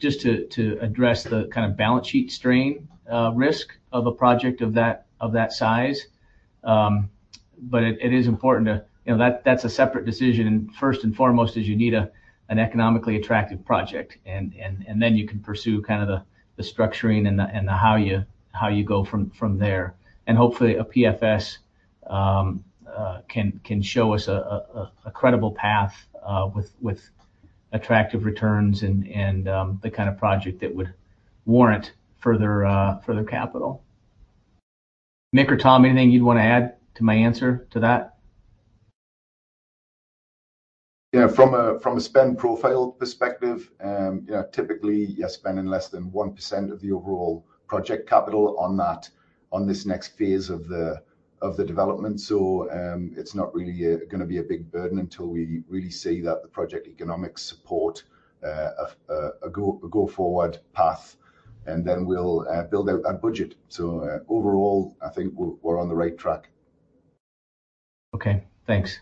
Speaker 1: just to address the kind of balance sheet strain, risk of a project of that size. It is important to. You know, that's a separate decision. First and foremost is you need an economically attractive project and then you can pursue kind of the structuring and the how you go from there. Hopefully a PFS can show us a credible path with attractive returns and the kind of project that would warrant further capital. Mick or Tom, anything you'd wanna add to my answer to that? Yeah. From a, from a spend profile perspective, you know, typically you're spending less than 1% of the overall project capital on that, on this next phase of the, of the development. It's not really gonna be a big burden until we really see that the project economics support a go forward path, and then we'll build out that budget. Overall, I think we're on the right track. Okay, thanks.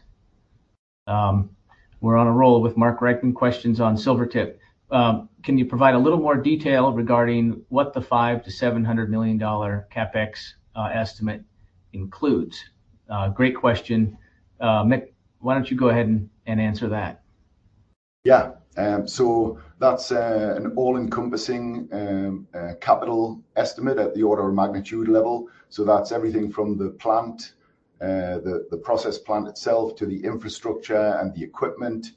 Speaker 1: We're on a roll with Mark writing questions on Silvertip. Can you provide a little more detail regarding what the $500 million-$700 million CapEx estimate includes? Great question. Mick, why don't you go ahead and answer that? Yeah. That's an all-encompassing capital estimate at the order of magnitude level. That's everything from the plant, the process plant itself, to the infrastructure and the equipment,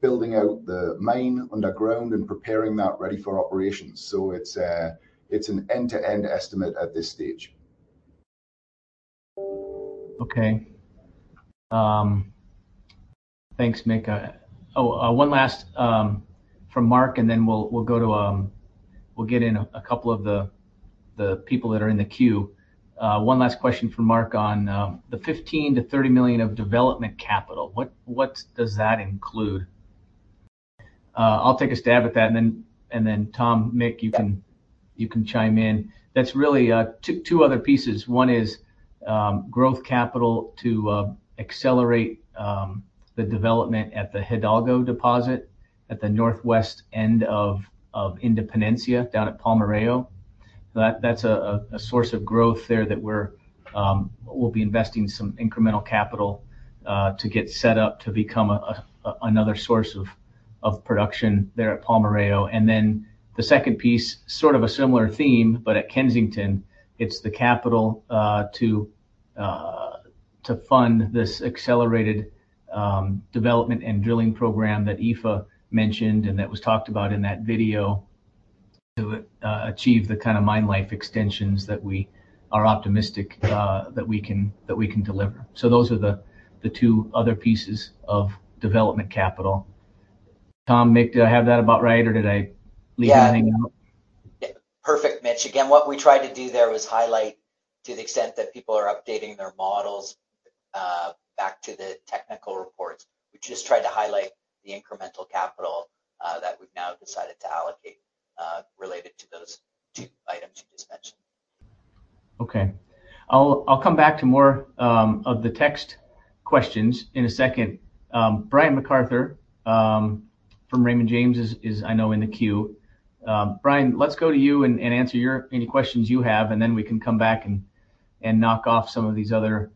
Speaker 1: building out the main underground and preparing that ready for operations. It's an end-to-end estimate at this stage. Okay. Thanks, Mick. Oh, one last from Mark. We'll go to, we'll get in a couple of the people that are in the queue. One last question from Mark on the $15 million-$30 million of development capital. What does that include? I'll take a stab at that, and then Tom, Mick, you can chime in. That's really two other pieces. One is growth capital to accelerate the development at the Hidalgo deposit at the northwest end of Independencia down at Palmarejo. That's a source of growth there that we're, we'll be investing some incremental capital to get set up to become another source of production there at Palmarejo. The second piece, sort of a similar theme, but at Kensington, it's the capital to fund this accelerated development and drilling program that Aoife mentioned, and that was talked about in that video to achieve the kind of mine life extensions that we are optimistic that we can deliver. Those are the two other pieces of development capital. Tom, Mick, did I have that about right, or did I leave anything out? Yeah. Perfect, Mitch. Again, what we tried to do there was highlight to the extent that people are updating their models, back to the technical reports. We just tried to highlight the incremental capital that we've now decided to allocate, related to those two items you just mentioned. Okay. I'll come back to more of the text questions in a second. Brian MacArthur from Raymond James is I know in the queue. Brian, let's go to you and answer any questions you have, we can come back and knock off some of these other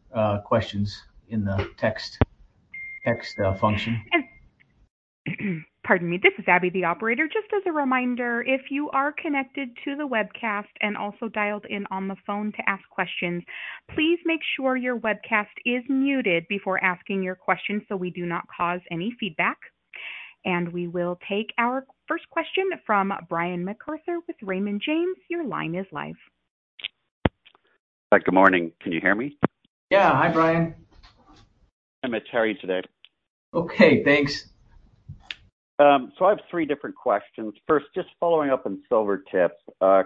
Speaker 1: questions in the text function.
Speaker 8: Pardon me. This is Abby, the operator. Just as a reminder, if you are connected to the webcast and also dialed in on the phone to ask questions, please make sure your webcast is muted before asking your questions so we do not cause any feedback. We will take our first question from Brian MacArthur with Raymond James. Your line is live.
Speaker 9: Hi. Good morning. Can you hear me?
Speaker 1: Yeah. Hi, Brian.
Speaker 9: Hi, Mitch. How are you today?
Speaker 1: Okay, thanks.
Speaker 9: I have three different questions. First, just following up on Silvertip,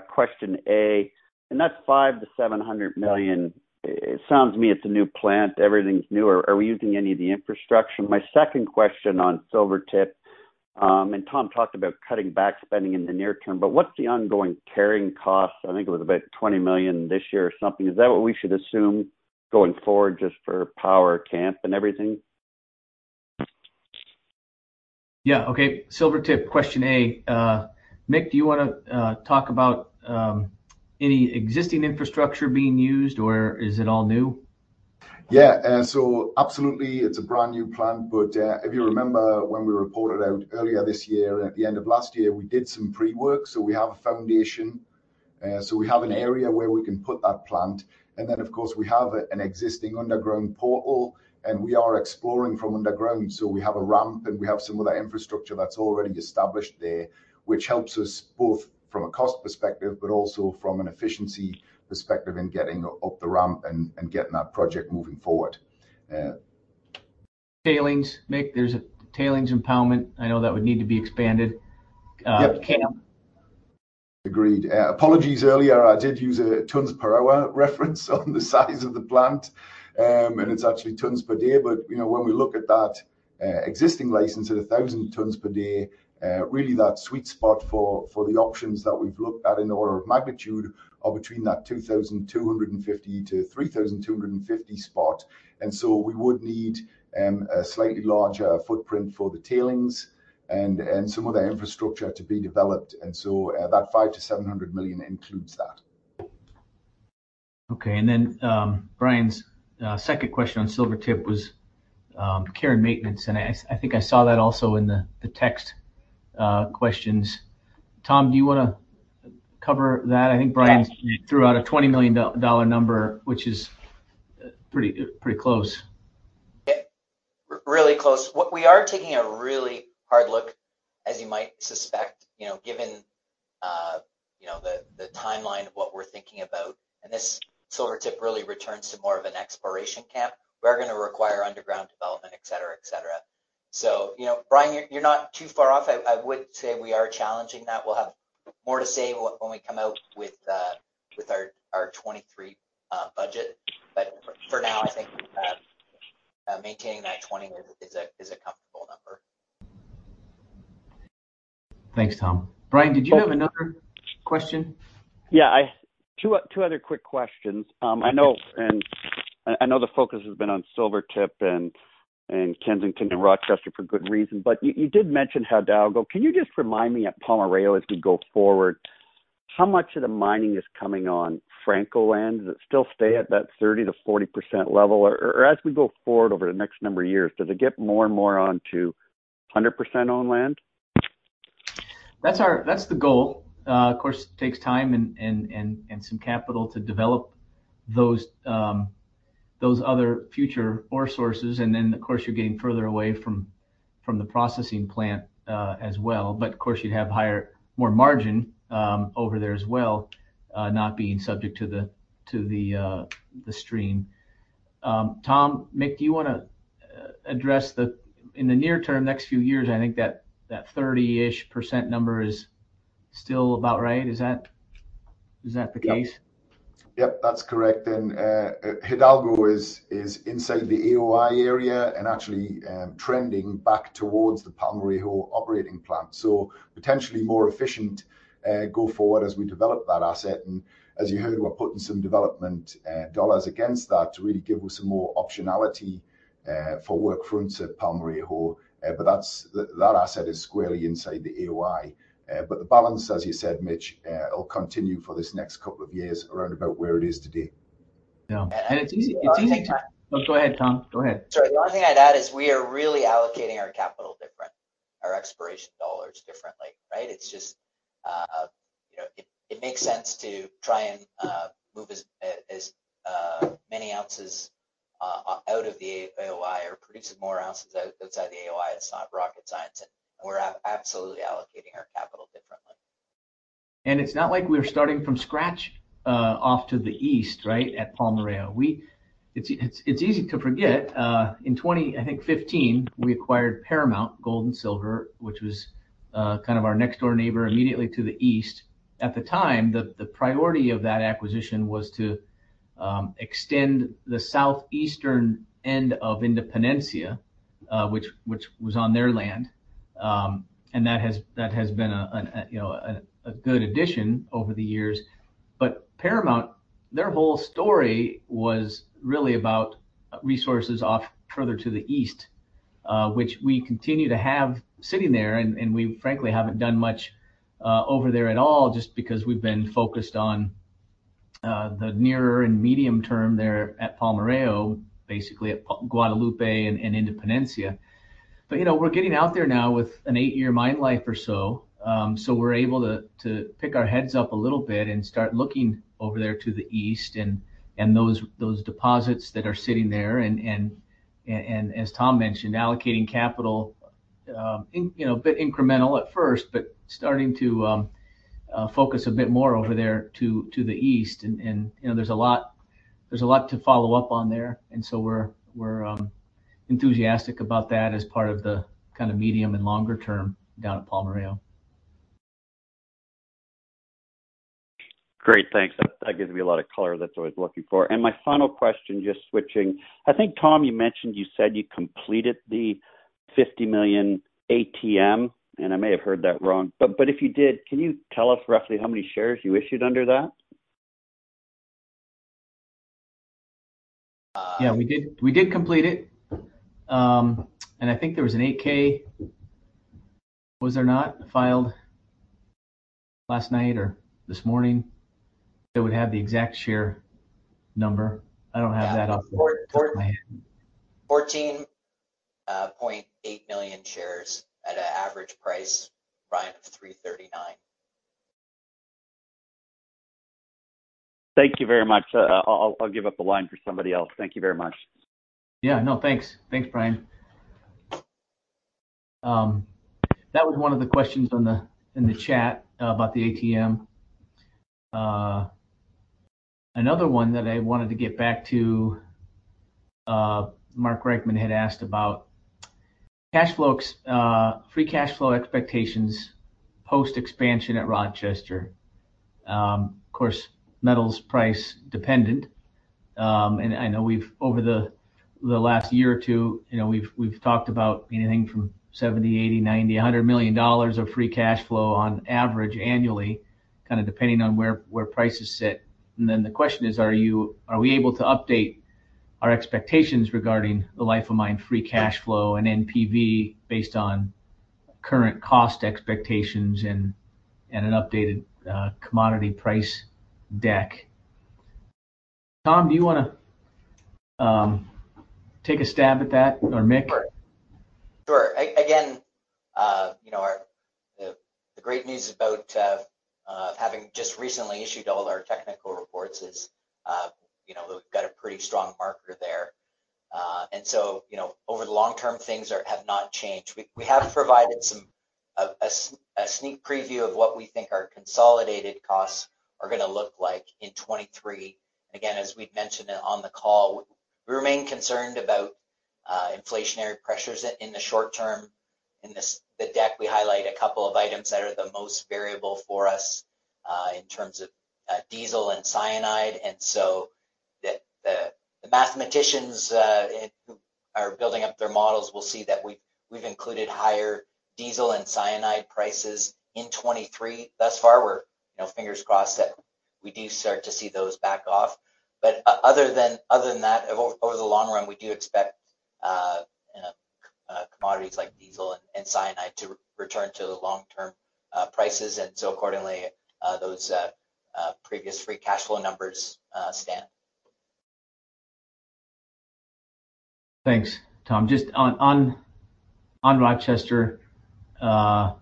Speaker 9: question A, in that $500 million-$700 million, it sounds to me it's a new plant, everything's new. Are we using any of the infrastructure? My second question on Silvertip, Tom talked about cutting back spending in the near term, but what's the ongoing carrying costs? I think it was about $20 million this year or something. Is that what we should assume going forward just for power, camp and everything?
Speaker 1: Yeah. Okay. Silvertip, question A. Mick, do you wanna talk about any existing infrastructure being used, or is it all new? Absolutely it's a brand new plant. If you remember when we reported out earlier this year and at the end of last year, we did some pre-work, so we have a foundation. We have an area where we can put that plant. Of course, we have an existing underground portal. We are exploring from underground. We have a ramp, and we have some of that infrastructure that's already established there, which helps us both from a cost perspective, but also from an efficiency perspective in getting up the ramp and getting that project moving forward. Tailings. Mick, there's a tailings impoundment. I know that would need to be expanded, Cam. Yep. Agreed. Apologies earlier, I did use tons per hour reference on the size of the plant, and it's actually tons per day. You know, when we look at that existing license at 1,000 tons per day, really that sweet spot for the options that we've looked at in order of magnitude are between that 2,250-3,250 spot. We would need a slightly larger footprint for the tailings and some of the infrastructure to be developed. That $500 million-$700 million includes that. Okay. Brian's second question on Silvertip was care and maintenance, and I think I saw that also in the text questions. Tom, do you wanna cover that? I think Brian threw out a $20 million number, which is pretty close. Really close. We are taking a really hard look, as you might suspect, you know, given, you know, the timeline of what we're thinking about, and this Silvertip really returns to more of an exploration camp. We're gonna require underground development, et cetera, et cetera. You know, Brian, you're not too far off. I would say we are challenging that. We'll have more to say when we come out with our 2023 budget. For now, I think, maintaining that 20 is a comfortable number. Thanks, Tom. Brian, did you have another question?
Speaker 9: Yeah, two other quick questions.
Speaker 1: Please
Speaker 9: I know the focus has been on Silvertip and Kensington and Rochester for good reason. You did mention Hidalgo. Can you just remind me at Palmarejo as we go forward, how much of the mining is coming on Franco land? Does it still stay at that 30%-40% level or as we go forward over the next number of years, does it get more and more onto 100% owned land?
Speaker 1: That's the goal. Of course, it takes time and some capital to develop those other future ore sources, and then, of course, you're getting further away from the processing plant as well. Of course, you'd have more margin over there as well, not being subject to the stream. Tom, Mick, do you wanna address the, in the near term, next few years, I think that 30-ish % number is still about right. Is that the case? Yep. Yep, that's correct. Hidalgo is inside the AMI area and actually trending back towards the Palmarejo operating plant. Potentially more efficient go forward as we develop that asset. As you heard, we're putting some development dollars against that to really give us some more optionality for work fronts at Palmarejo. That asset is squarely inside the AMI. The balance, as you said, Mitch, it'll continue for this next couple of years around about where it is today. Yeah. It's easy, it's easy. No, go ahead, Tom. Go ahead. Sorry. The only thing I'd add is we are really allocating our capital different, our exploration dollars differently, right? It's just, you know, it makes sense to try and move as many ounces out of the AMI or producing more ounces outside the AMI. It's not rocket science. We're absolutely allocating our capital differently. It's not like we're starting from scratch off to the east, right, at Palmarejo. It's easy to forget, in 20, I think, 15, we acquired Paramount Gold and Silver, which was kind of our next door neighbor immediately to the east. At the time, the priority of that acquisition was to extend the southeastern end of Independencia, which was on their land. That has been a, you know, a good addition over the years. Paramount, their whole story was really about resources off further to the east, which we continue to have sitting there, and we frankly haven't done much over there at all just because we've been focused on the nearer and medium term there at Palmarejo, basically at Guadalupe and Independencia. You know, we're getting out there now with an eight-year mine life or so we're able to pick our heads up a little bit and start looking over there to the east and those deposits that are sitting there and as Tom mentioned, allocating capital, you know, a bit incremental at first, but starting to focus a bit more over there to the east. You know, there's a lot to follow up on there, and so we're enthusiastic about that as part of the kinda medium and longer term down at Palmarejo.
Speaker 9: Great. Thanks. That gives me a lot of color that's what I was looking for. My final question, just switching. I think, Tom, you mentioned you said you completed the $50 million ATM, and I may have heard that wrong, but if you did, can you tell us roughly how many shares you issued under that?
Speaker 1: Yeah. We did complete it. I think there was an 8-K, was there not, filed last night or this morning that would have the exact share number. I don't have that off. 14.8 million shares at an average price, Brian, of $3.39.
Speaker 9: Thank you very much. I'll give up the line for somebody else. Thank you very much.
Speaker 1: Thanks. Thanks, Brian. That was one of the questions in the chat about the ATM. Another one that I wanted to get back to, Mark Reichman had asked about cash flows, free cash flow expectations, post-expansion at Rochester. Of course, metals price dependent. I know we've over the last year or two, you know, we've talked about anything from $70 million, $80 million, $90 million, $100 million of free cash flow on average annually, kind of depending on where prices sit. The question is, are we able to update our expectations regarding the life of mine free cash flow and NPV based on current cost expectations and an updated commodity price deck? Tom, do you want to take a stab at that, or Mick? Sure. Again, you know, the great news about having just recently issued all our technical reports is, you know, we've got a pretty strong marker there. You know, over the long term, things have not changed. We have provided a sneak preview of what we think our consolidated costs are gonna look like in 23. Again, as we've mentioned on the call, we remain concerned about inflationary pressures in the short term. In the deck, we highlight a couple of items that are the most variable for us in terms of diesel and cyanide. The mathematicians who are building up their models will see that we've included higher diesel and cyanide prices in 23. Thus far, we're, you know, fingers crossed that we do start to see those back off. Other than that, over the long run, we do expect, you know, commodities like diesel and cyanide to return to the long-term prices. Accordingly, those previous free cash flow numbers stand. Thanks, Tom. Just on Rochester, there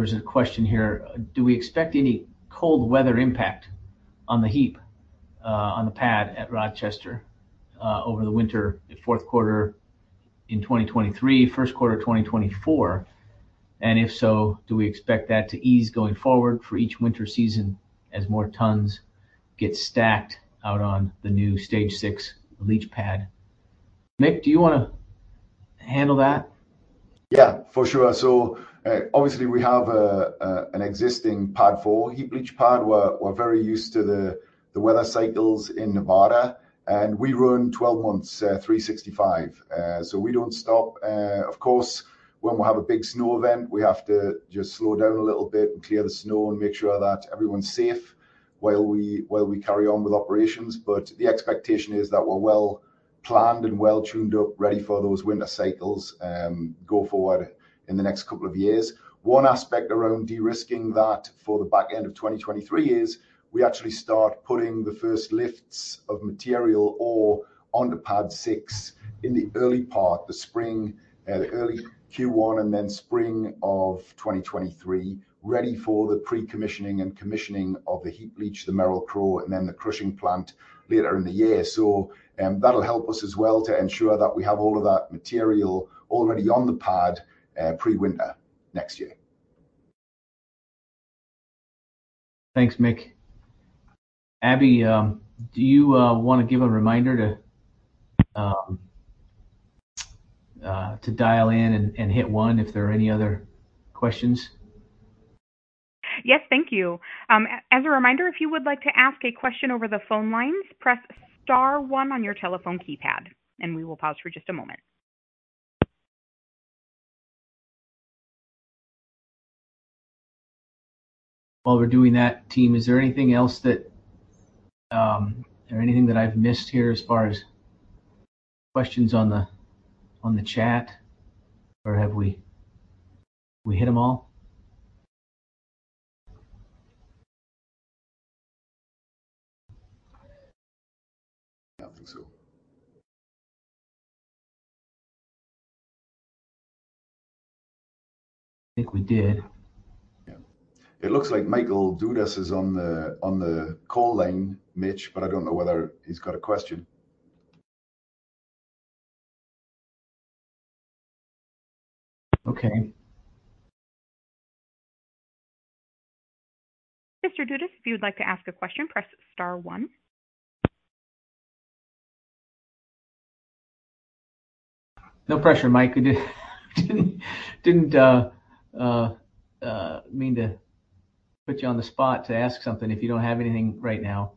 Speaker 1: was a question here. Do we expect any cold weather impact on the heap, on the pad at Rochester, over the winter, fourth quarter in 2023, first quarter of 2024? If so, do we expect that to ease going forward for each winter season as more tons get stacked out on the new Stage 6 leach pad? Mick, do you wanna handle that? Yeah, for sure. Obviously we have an existing pad 4, heap leach pad. We're very used to the weather cycles in Nevada, and we run 12 months, 365. We don't stop. Of course, when we have a big snow event, we have to just slow down a little bit and clear the snow and make sure that everyone's safe while we carry on with operations. The expectation is that we're well planned and well tuned up ready for those winter cycles, go forward in the next couple of years. One aspect around de-risking that for the back end of 2023 is we actually start putting the first lifts of material ore onto Stage 6 in the early part, the spring, the early Q1 and then spring of 2023, ready for the pre-commissioning and commissioning of the heap leach, the Merrill-Crowe, and then the crushing plant later in the year. That'll help us as well to ensure that we have all of that material already on the pad, pre-winter next year. Thanks, Mick. Abby, do you wanna give a reminder to dial in and hit 1 if there are any other questions?
Speaker 8: Yes. Thank you. As a reminder, if you would like to ask a question over the phone lines, press star 1 on your telephone keypad. We will pause for just a moment.
Speaker 1: While we're doing that, team, is there anything else that, is there anything that I've missed here as far as questions on the, on the chat, or have we hit 'em all? I think so. I think we did. It looks like Michael Dudas is on the, on the call line, Mitch, but I don't know whether he's got a question. Okay.
Speaker 8: Mr. Dudas, if you would like to ask a question, press star one.
Speaker 1: No pressure, Mike. Didn't mean to put you on the spot to ask something if you don't have anything right now.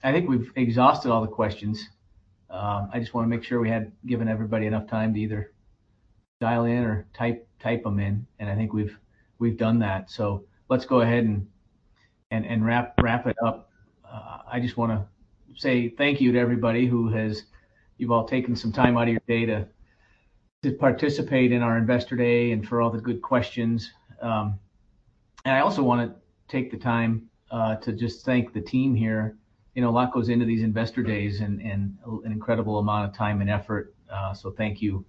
Speaker 1: I think we've exhausted all the questions. I just wanna make sure we had given everybody enough time to either dial in or type them in. I think we've done that. Let's go ahead and wrap it up. I just wanna say thank you to everybody who has. You've all taken some time out of your day to participate in our Investor Day and for all the good questions. I also wanna take the time to just thank the team here. You know, a lot goes into these investor days and an incredible amount of time and effort. Thank you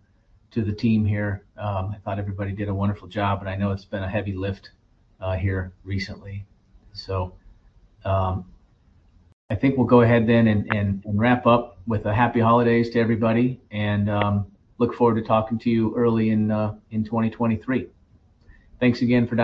Speaker 1: to the team here. I thought everybody did a wonderful job, and I know it's been a heavy lift here recently. I think we'll go ahead then and wrap up with a happy holidays to everybody and look forward to talking to you early in 2023. Thanks again for joining.